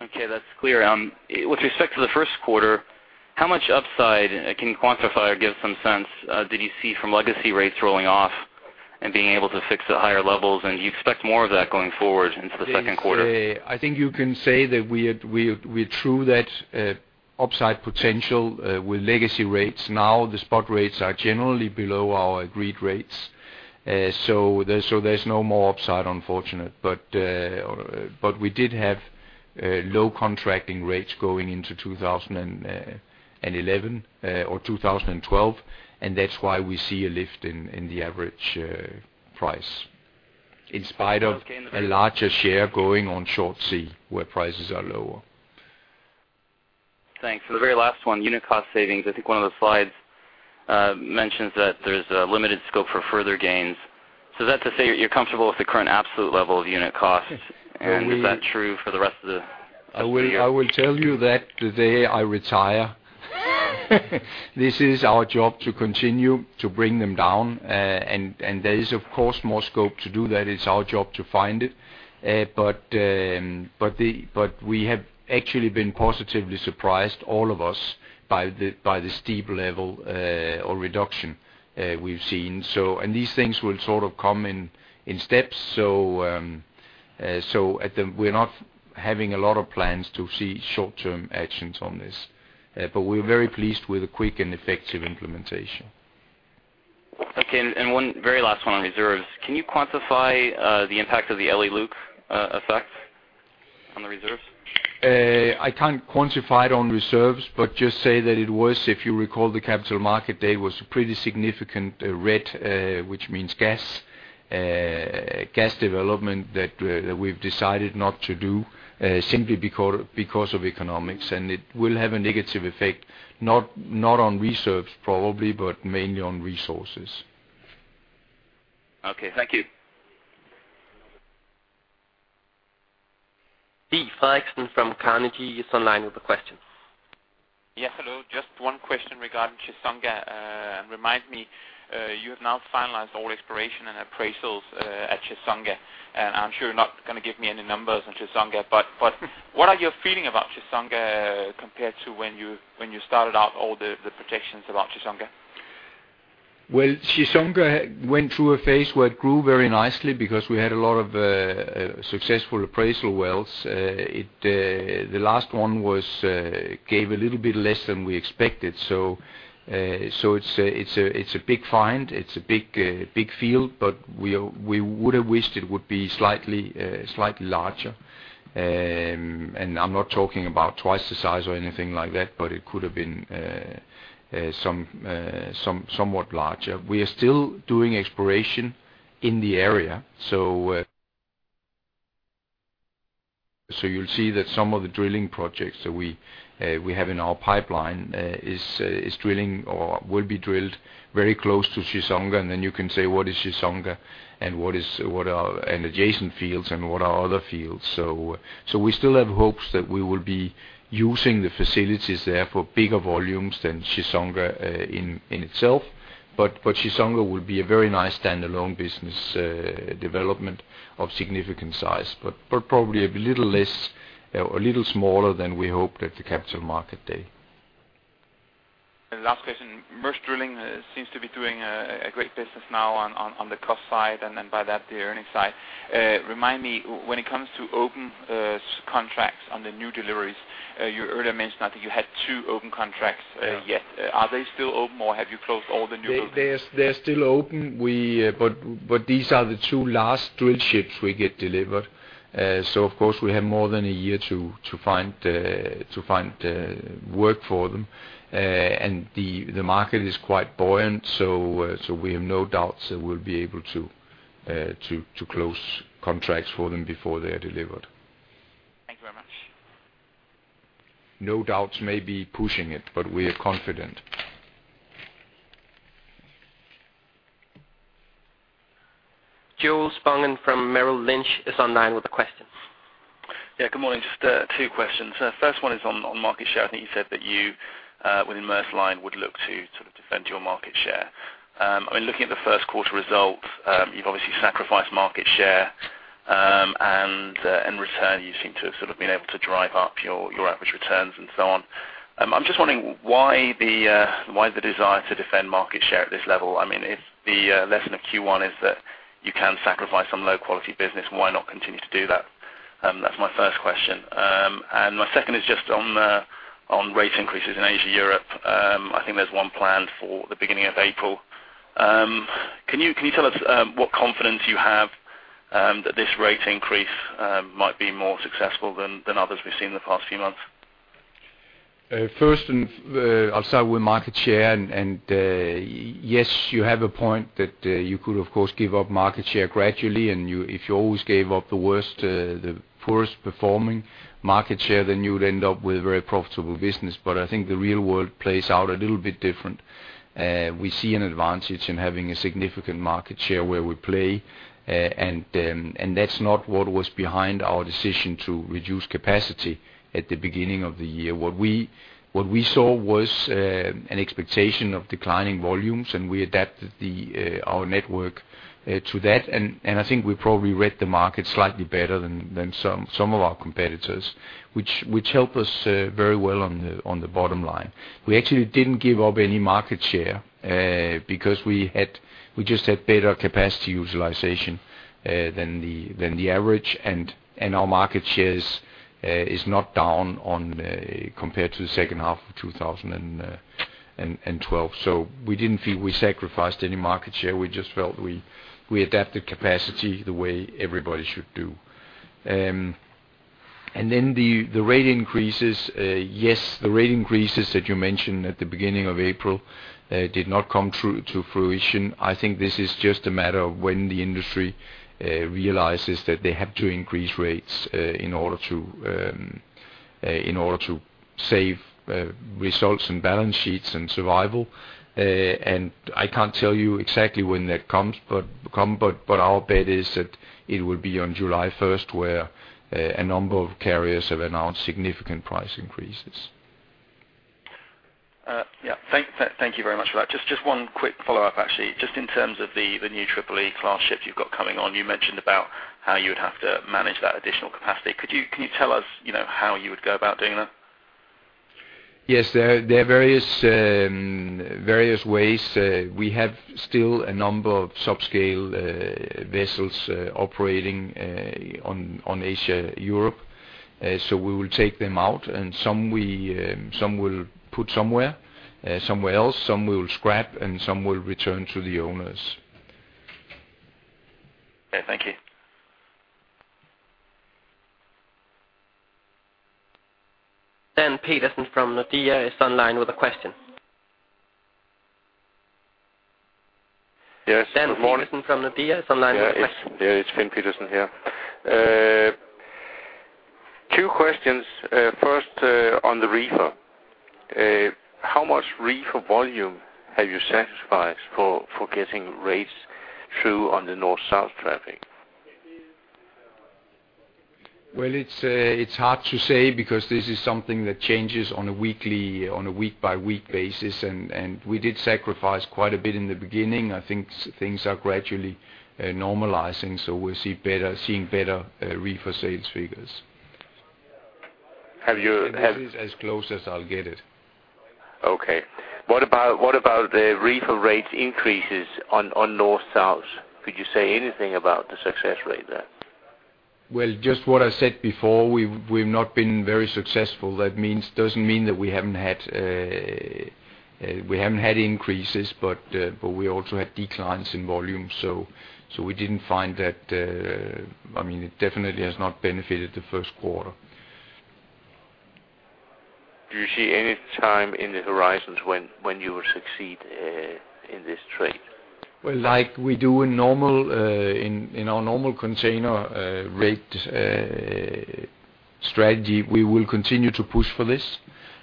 Okay, that's clear. With respect to the first quarter, how much upside can you quantify or give some sense did you see from legacy rates rolling off and being able to fix at higher levels? You expect more of that going forward into the second quarter? Yes. I think you can say that we're through that upside potential with legacy rates. Now, the spot rates are generally below our agreed rates. So there's no more upside, unfortunately. We did have low contracting rates going into 2011 or 2012, and that's why we see a lift in the average price. In spite of a larger share going on short sea where prices are lower. Thanks. For the very last one, unit cost savings. I think one of the slides mentions that there's a limited scope for further gains. Is that to say you're comfortable with the current absolute level of unit costs? Well, we. Is that true for the rest of the year? I will tell you that the day I retire. This is our job to continue to bring them down. There is, of course, more scope to do that. It's our job to find it. We have actually been positively surprised, all of us, by the steep level or reduction we've seen, so. These things will sort of come in steps. We're not having a lot of plans to see short-term actions on this. We're very pleased with the quick and effective implementation. Okay. One very last one on reserves. Can you quantify the impact of the Elly‑Luke effect on the reserves? I can't quantify it on reserves, but just say that it was, if you recall, the Capital Markets Day was pretty significant red, which means gas. Gas development that we've decided not to do simply because of economics. It will have a negative effect, not on reserves probably, but mainly on resources. Okay. Thank you. Stig Frederiksen from Carnegie is online with a question. Yes, hello. Just one question regarding Chissonga. Remind me, you have now finalized all exploration and appraisals at Chissonga. I'm sure you're not gonna give me any numbers on Chissonga. What are your feeling about Chissonga compared to when you started out all the projections about Chissonga? Well, Chissonga went through a phase where it grew very nicely because we had a lot of successful appraisal wells. The last one gave a little bit less than we expected. It's a big find. It's a big field, but we would have wished it would be slightly larger. I'm not talking about twice the size or anything like that, but it could have been somewhat larger. We are still doing exploration in the area. You'll see that some of the drilling projects that we have in our pipeline is drilling or will be drilled very close to Chissonga, and then you can say, what is Chissonga and what are adjacent fields and what are other fields. We still have hopes that we will be using the facilities there for bigger volumes than Chissonga in itself. Chissonga will be a very nice standalone business development of significant size. Probably a little less or a little smaller than we hoped at the Capital Markets Day. Last question. Maersk Drilling seems to be doing a great business now on the cost side, and then by that, the earning side. Remind me, when it comes to open contracts on the new deliveries, you earlier mentioned, I think you had two open contracts yet. Yeah. Are they still open or have you closed all the new buildings? They're still open. These are the two last drill ships we get delivered. Of course, we have more than a year to find work for them. The market is quite buoyant. We have no doubts that we'll be able to close contracts for them before they are delivered. Thank you very much. No doubt, maybe pushing it, but we are confident. Joel Spungen from Merrill Lynch is online with a question. Yeah. Good morning. Just two questions. First one is on market share. I think you said that you within Maersk Line would look to sort of defend your market share. I mean, looking at the first quarter results, you've obviously sacrificed market share. In return, you seem to have sort of been able to drive up your average returns and so on. I'm just wondering why the desire to defend market share at this level? I mean, if the lesson of Q1 is that you can sacrifice some low-quality business, why not continue to do that? That's my first question. My second is just on rate increases in Asia, Europe. I think there's one planned for the beginning of April. Can you tell us what confidence you have that this rate increase might be more successful than others we've seen in the past few months? I'll start with market share. Yes, you have a point that you could of course give up market share gradually, and you, if you always gave up the worst, the poorest performing market share, then you would end up with a very profitable business. I think the real world plays out a little bit different. We see an advantage in having a significant market share where we play. That's not what was behind our decision to reduce capacity at the beginning of the year. What we saw was an expectation of declining volumes, and we adapted our network to that. I think we probably read the market slightly better than some of our competitors, which helped us very well on the bottom line. We actually didn't give up any market share, because we just had better capacity utilization than the average. Our market share is not down compared to the second half of 2012. We didn't feel we sacrificed any market share. We just felt we adapted capacity the way everybody should do. The rate increases, yes, the rate increases that you mentioned at the beginning of April, did not come to fruition. I think this is just a matter of when the industry realizes that they have to increase rates in order to save results and balance sheets and survival. I can't tell you exactly when that comes, but our bet is that it will be on July first, where a number of carriers have announced significant price increases. Yeah. Thank you very much for that. Just one quick follow-up, actually. Just in terms of the new Triple-E class ships you've got coming on, you mentioned about how you would have to manage that additional capacity. Can you tell us, you know, how you would go about doing that? Yes. There are various ways. We have still a number of subscale vessels operating on Asia-Europe. So we will take them out, and some we'll put somewhere else, some we'll scrap, and some we'll return to the owners. Okay, thank you. Dan Pedersen from Nordea is online with a question. Yes, good morning. Dan Pedersen from Nordea is online with a question. Yeah, it's Dan Pedersen here. Two questions. First, on the reefer. How much reefer volume have you sacrificed for getting rates through on the North-South traffic? Well, it's hard to say because this is something that changes on a week-by-week basis, and we did sacrifice quite a bit in the beginning. I think things are gradually normalizing, so we'll see better reefer sales figures. Have you, have- This is as close as I'll get it. Okay. What about the reefer rate increases on North-South? Could you say anything about the success rate there? Well, just what I said before, we've not been very successful. That means, doesn't mean that we haven't had increases, but we also had declines in volume. We didn't find that, I mean, it definitely has not benefited the first quarter. Do you see any time in the horizon when you will succeed in this trade? Well, like we do in our normal container rate strategy, we will continue to push for this.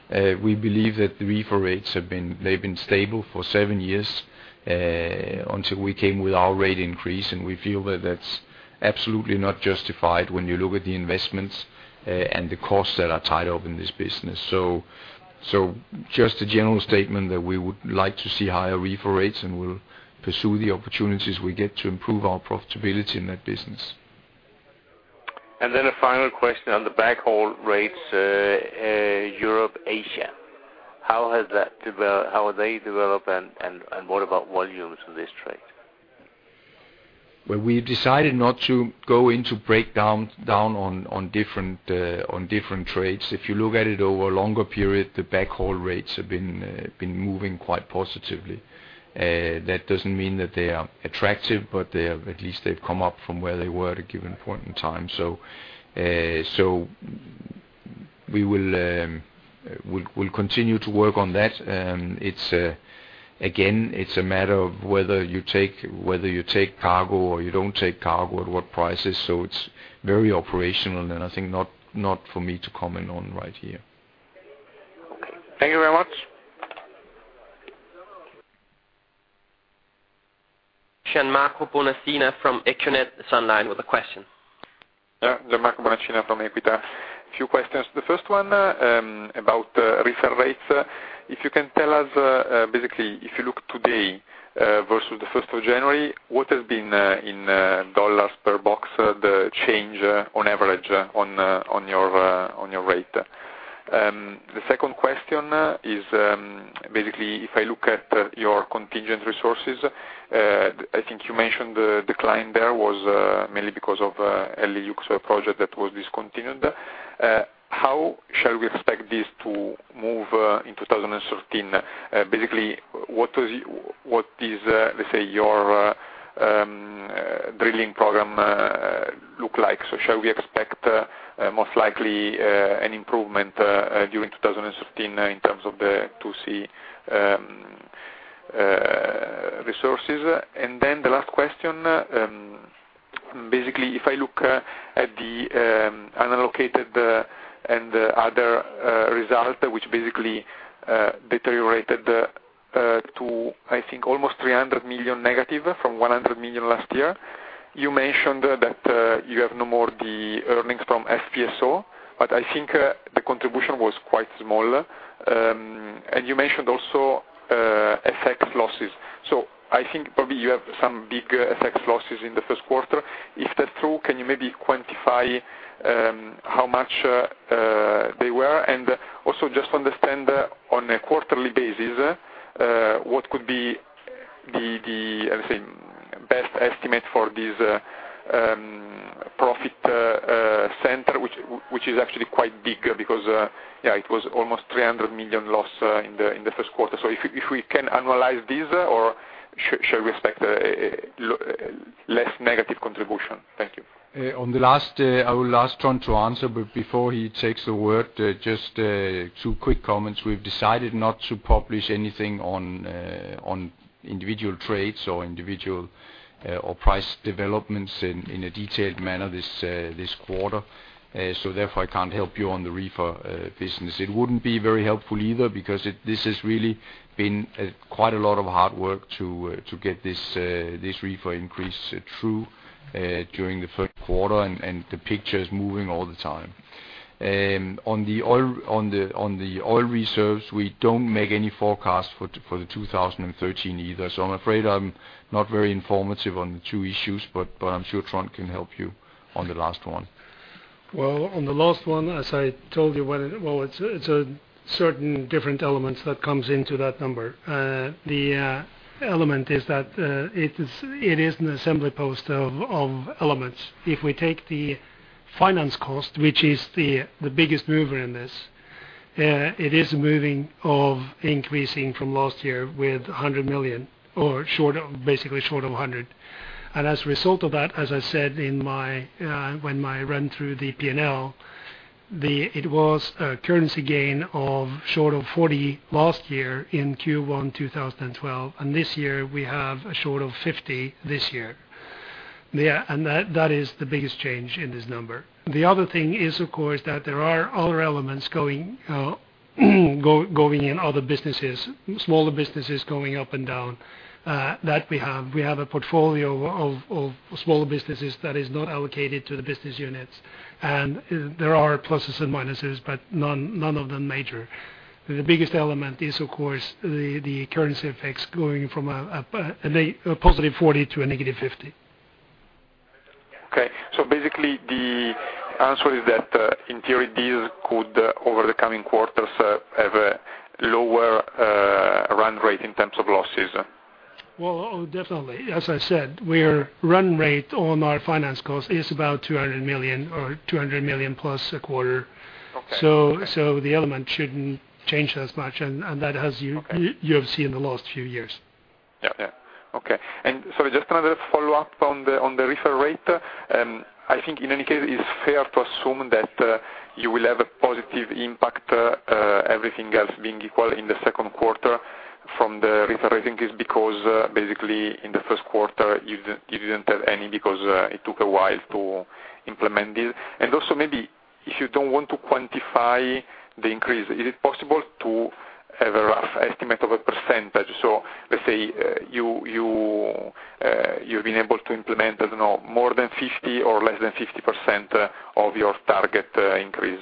We believe that the reefer rates have been stable for seven years until we came with our rate increase, and we feel that that's absolutely not justified when you look at the investments and the costs that are tied up in this business. Just a general statement that we would like to see higher reefer rates, and we'll pursue the opportunities we get to improve our profitability in that business. A final question on the backhaul rates, Europe, Asia. How are they developing, and what about volumes on this trade? Well, we've decided not to go into breakdown on different trades. If you look at it over a longer period, the backhaul rates have been moving quite positively. That doesn't mean that they are attractive, but they have, at least they've come up from where they were at a given point in time. We'll continue to work on that. It's again a matter of whether you take cargo or you don't take cargo, at what prices. It's very operational, and I think not for me to comment on right here. Thank you very much. Gianmarco Bonacina from EQUITA is online with a question. Yeah. Gianmarco Bonacina from EQUITA. Few questions. The first one, about reefer rates. If you can tell us, basically, if you look today, versus the first of January, what has been, in dollars per box, the change on average on your rate? The second question is, basically, if I look at your contingent resources, I think you mentioned the decline there was, mainly because of Elly‑Luke project that was discontinued. How shall we expect this to move, in 2013? Basically, what is, let's say, your drilling program look like? Shall we expect, most likely, an improvement, during 2013, in terms of the 2C resources? The last question, basically, if I look at the unallocated and the other result, which basically deteriorated to, I think, almost $300 million negative from $100 million last year. You mentioned that you have no more the earnings from FPSO, but I think the contribution was quite small. And you mentioned also FX losses. So I think probably you have some big FX losses in the first quarter. If that's true, can you maybe quantify how much they were? And also just understand on a quarterly basis what could be the, let's say, best estimate for this profit center, which is actually quite big because, yeah, it was almost $300 million loss in the first quarter. If we can analyze this or shall we expect less negative contribution? Thank you. On the last, I will ask Trond to answer, but before he takes a word, just two quick comments. We've decided not to publish anything on individual trades or price developments in a detailed manner this quarter. Therefore, I can't help you on the reefer business. It wouldn't be very helpful either because this has really been quite a lot of hard work to get this reefer increase through during the first quarter, and the picture is moving all the time. On the oil reserves, we don't make any forecasts for 2013 either. I'm afraid I'm not very informative on the two issues, but I'm sure Trond can help you on the last one. On the last one, as I told you, it's a certain different elements that comes into that number. The element is that it is an assemblage of elements. If we take the finance cost, which is the biggest mover in this, it is increasing from last year with $100 million or short, basically short of $100 million. As a result of that, as I said in my run through the P&L, it was a currency gain short of $40 million last year in Q1 2012, and this year we have a short of $50 million. That is the biggest change in this number. The other thing is, of course, that there are other elements going in other businesses, smaller businesses going up and down, that we have. We have a portfolio of smaller businesses that is not allocated to the business units. There are pluses and minuses, but none of them major. The biggest element is, of course, the currency effects going from a +$40 million to a -$50 million. Okay. Basically, the answer is that, in theory, this could, over the coming quarters, have a lower, run rate in terms of losses? Well, oh, definitely. As I said, we're run rate on our finance cost is about $200 million or $200 million+ a quarter. Okay. The element shouldn't change as much. That has you- Okay. You have seen in the last few years. Yeah. Okay. Sorry, just another follow-up on the reefer rate. I think in any case, it's fair to assume that you will have a positive impact, everything else being equal in the second quarter from the reefer rate increase because basically, in the first quarter, you didn't have any because it took a while to implement it. Also, maybe if you don't want to quantify the increase, is it possible to have a rough estimate of a percentage? Let's say you've been able to implement, I don't know, more than 50% or less than 50% of your target increase.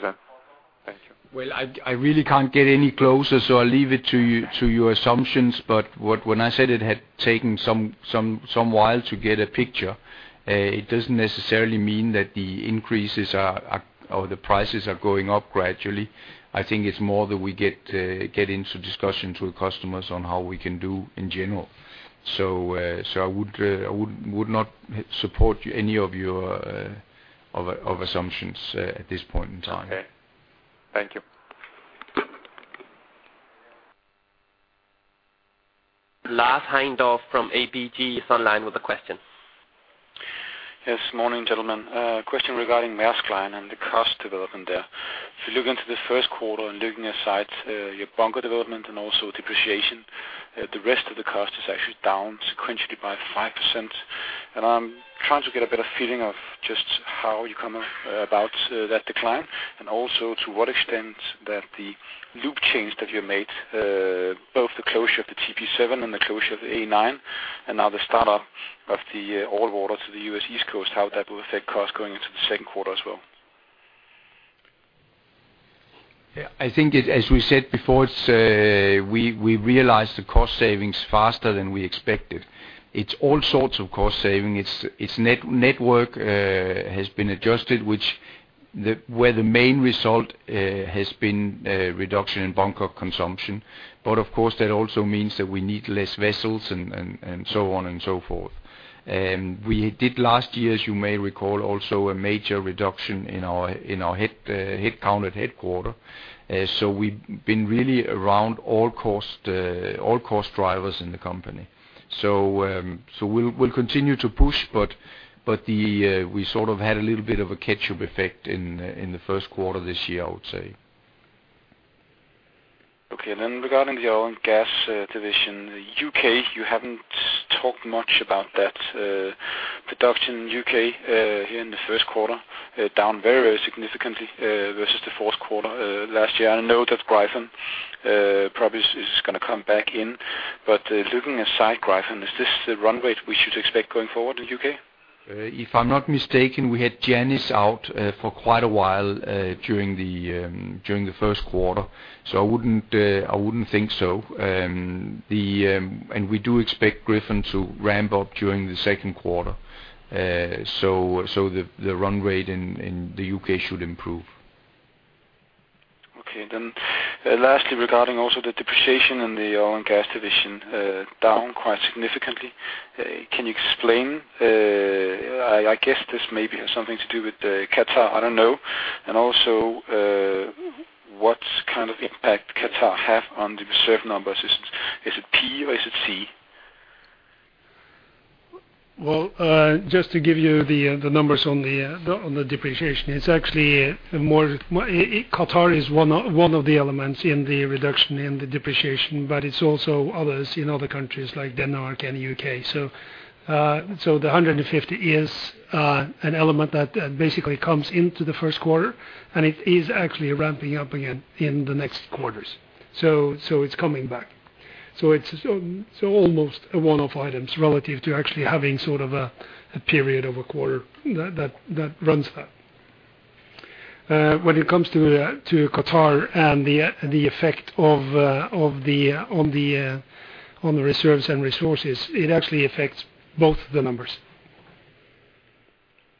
Thank you. Well, I really can't get any closer, so I'll leave it to you, to your assumptions. What, when I said it had taken some while to get a picture, it doesn't necessarily mean that the increases are or the prices are going up gradually. I think it's more that we get into discussion to customers on how we can do in general. I would not support any of your assumptions at this point in time. Okay. Thank you. Lars Heindorff from ABG is online with a question. Yes. Morning, gentlemen. A question regarding Maersk Line and the cost development there. If you look into the first quarter and leaving aside your bunker development and also depreciation, the rest of the cost is actually down sequentially by 5%. I'm trying to get a better feeling of just how you come about that decline and also to what extent that the loop change that you made, both the closure of the TP7 and the closure of the A9 and now the startup of the all water to the U.S. East Coast, how that will affect costs going into the second quarter as well. Yeah. I think, as we said before, we realized the cost savings faster than we expected. It's all sorts of cost saving. It's network has been adjusted, where the main result has been reduction in bunker consumption. But of course, that also means that we need less vessels and so on and so forth. We did last year, as you may recall, also a major reduction in our headcount at headquarters. So we've been really around all cost drivers in the company. So we'll continue to push, but we sort of had a little bit of a catch-up effect in the first quarter this year, I would say. Okay. Regarding the oil and gas division, U.K., you haven't talked much about that. Production U.K. here in the first quarter down very, very significantly versus the fourth quarter last year. I know that Gryphon probably is gonna come back in. Looking aside Gryphon, is this the run rate we should expect going forward in U.K.? If I'm not mistaken, we had Janice out for quite a while during the first quarter, so I wouldn't think so. We do expect Gryphon to ramp up during the second quarter. The run rate in the U.K. should improve. Okay, lastly, regarding also the depreciation in the oil and gas division, down quite significantly. Can you explain, I guess this maybe has something to do with Qatar, I don't know. What kind of impact Qatar have on the reserve numbers? Is it P or is it C? Just to give you the numbers on the depreciation, Qatar is one of the elements in the reduction in the depreciation, but it's also others in other countries like Denmark and U.K. The $150 million is an element that basically comes into the first quarter, and it is actually ramping up again in the next quarters. It's coming back. It's almost a one-off items relative to actually having sort of a period of a quarter that runs that. When it comes to Qatar and the effect on the reserves and resources, it actually affects both the numbers.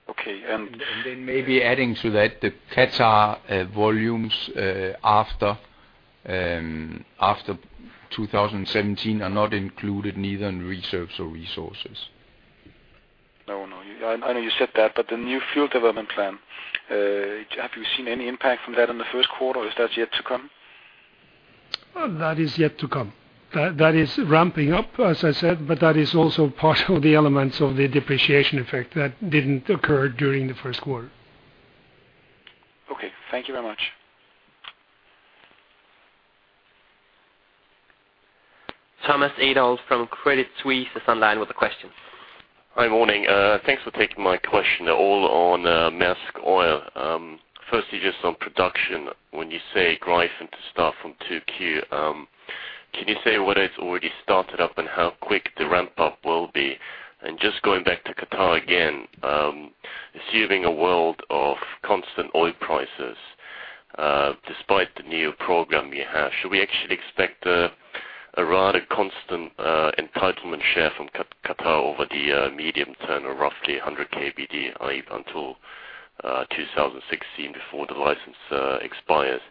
Okay. Maybe adding to that, the Qatar volumes after 2017 are not included neither in reserves or resources. No, no. I know you said that, but the new field development plan, have you seen any impact from that in the first quarter, or is that yet to come? That is yet to come. That is ramping up, as I said, but that is also part of the elements of the depreciation effect that didn't occur during the first quarter. Okay, thank you very much. Thomas Adolff from Credit Suisse is online with a question. Hi, morning. Thanks for taking my question, all on Maersk Oil. Firstly, just on production. When you say Gryphon to start from 2Q, can you say whether it's already started up and how quick the ramp up will be? Just going back to Qatar again, assuming a world of constant oil prices, despite the new program you have, should we actually expect a rather constant entitlement share from Qatar over the medium term of roughly 100 kbd until 2016 before the license expires?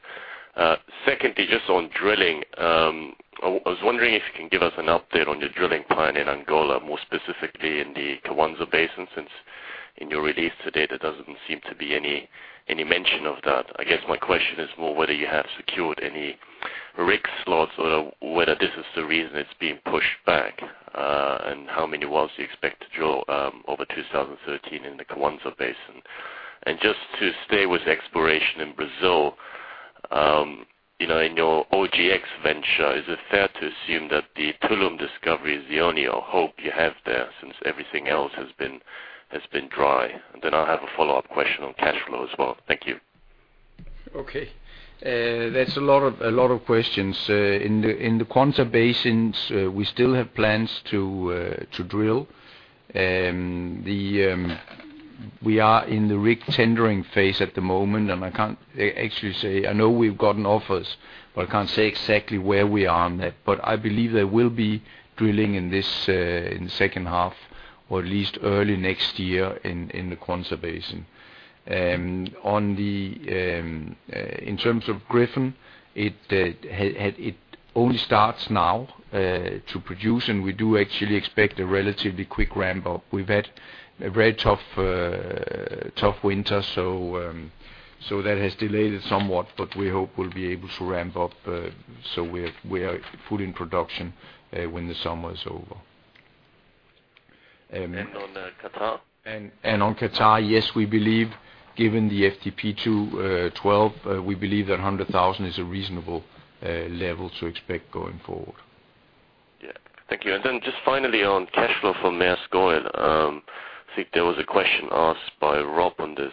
Secondly, just on drilling, I was wondering if you can give us an update on your drilling plan in Angola, more specifically in the Kwanza Basin, since in your release today, there doesn't seem to be any mention of that. I guess my question is more whether you have secured any rig slots or whether this is the reason it's being pushed back, and how many wells you expect to drill over 2013 in the Kwanza Basin. Just to stay with exploration in Brazil, you know, in your OGX venture, is it fair to assume that the Tullow discovery is the only hope you have there since everything else has been dry? I have a follow-up question on cash flow as well. Thank you. Okay. That's a lot of questions. In the Kwanza Basin, we still have plans to drill. We are in the rig tendering phase at the moment, and I can't actually say. I know we've gotten offers, but I can't say exactly where we are on that. I believe there will be drilling in the second half, or at least early next year in the Kwanza Basin. In terms of Gryphon, it only starts now to produce, and we do actually expect a relatively quick ramp up. We've had a very tough winter, so that has delayed it somewhat, but we hope we'll be able to ramp up, so we are fully in production when the summer is over. On Qatar? On Qatar, yes, we believe that 100,000 is a reasonable level to expect going forward. Yeah. Thank you. Then just finally on cash flow from Maersk Oil, I think there was a question asked by Rob on this.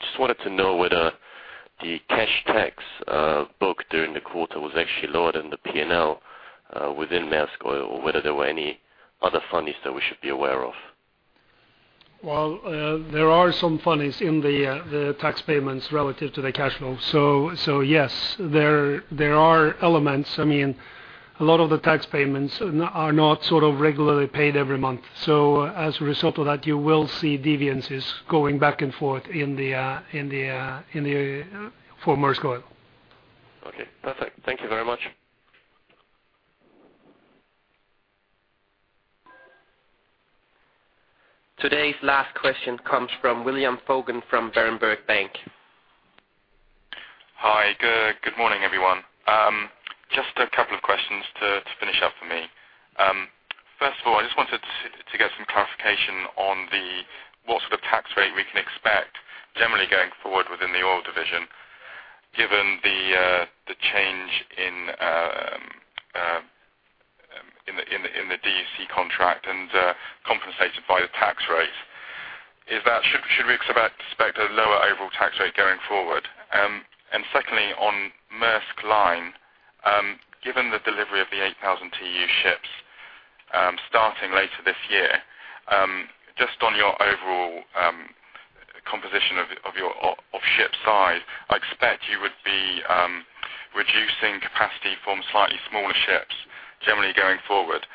Just wanted to know whether the cash tax booked during the quarter was actually lower than the P&L within Maersk Oil, or whether there were any other funnies that we should be aware of? Well, there are some funnies in the tax payments relative to the cash flow. Yes, there are elements. I mean, a lot of the tax payments are not sort of regularly paid every month. As a result of that, you will see deviations going back and forth in the for Maersk Oil. Okay, perfect. Thank you very much. Today's last question comes from William Foggan from Berenberg Bank. Hi. Good morning, everyone. Just a couple of questions to finish up for me. First of all, I just wanted to get some clarification on what sort of tax rate we can expect generally going forward within the oil division, given the change in the DUC contract and compensated by the tax rate. Is that, should we expect a lower overall tax rate going forward? Secondly, on Maersk Line, given the delivery of the 8,000 TEU ships starting later this year, just on your overall composition of your ship size, I expect you would be reducing capacity from slightly smaller ships generally going forward.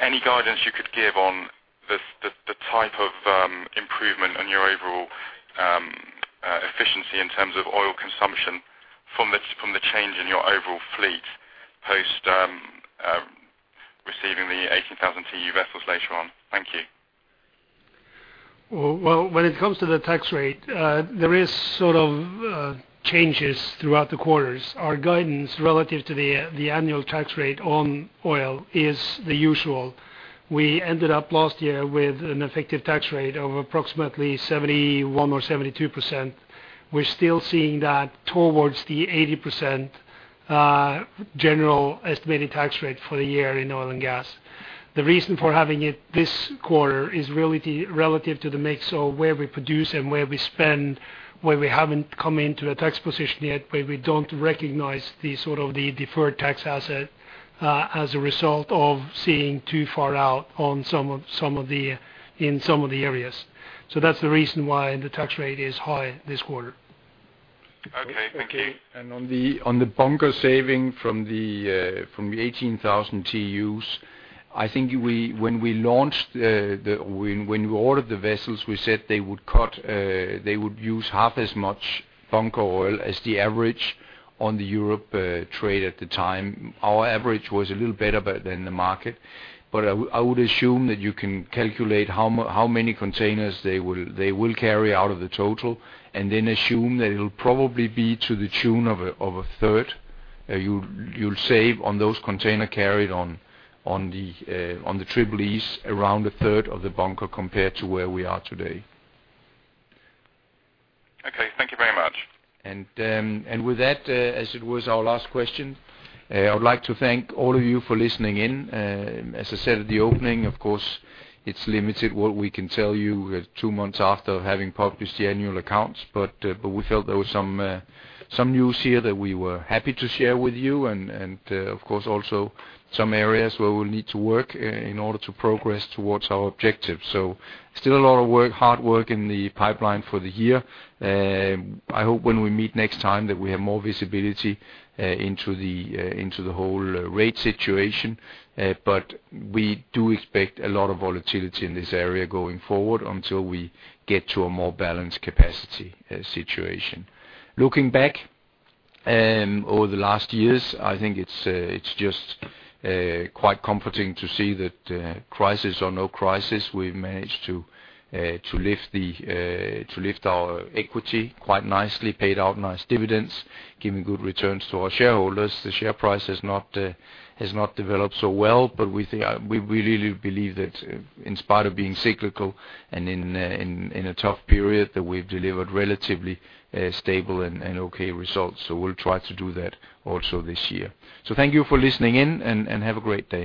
Any guidance you could give on the type of improvement on your overall efficiency in terms of oil consumption from the change in your overall fleet post receiving the 18,000 TEU vessels later on. Thank you. Well, when it comes to the tax rate, there is sort of changes throughout the quarters. Our guidance relative to the annual tax rate on oil is the usual. We ended up last year with an effective tax rate of approximately 71% or 72%. We're still seeing that towards the 80% general estimated tax rate for the year in oil and gas. The reason for having it this quarter is really relative to the mix of where we produce and where we spend, where we haven't come into a tax position yet, where we don't recognize the sort of deferred tax asset, as a result of seeing too far out on some of the, in some of the areas. That's the reason why the tax rate is high this quarter. Okay. Thank you. On the bunker saving from the 18,000 TEUs, I think, when we ordered the vessels, we said they would use half as much bunker oil as the average on the Europe-Asia trade at the time. Our average was a little better than the market, but I would assume that you can calculate how many containers they will carry out of the total, and then assume that it'll probably be to the tune of a third. You'll save on those containers carried on the Triple-E's around a third of the bunker compared to where we are today. Okay. Thank you very much. With that, as it was our last question, I would like to thank all of you for listening in. As I said at the opening, of course, it's limited what we can tell you, two months after having published the annual accounts. We felt there was some news here that we were happy to share with you and, of course, also some areas where we'll need to work in order to progress towards our objectives. Still a lot of work, hard work in the pipeline for the year. I hope when we meet next time that we have more visibility into the whole rate situation. But we do expect a lot of volatility in this area going forward until we get to a more balanced capacity situation. Looking back over the last years, I think it's just quite comforting to see that crisis or no crisis, we've managed to lift our equity quite nicely, paid out nice dividends, giving good returns to our shareholders. The share price has not developed so well, but we think we really believe that in spite of being cyclical and in a tough period, that we've delivered relatively stable and okay results. We'll try to do that also this year. Thank you for listening in, and have a great day.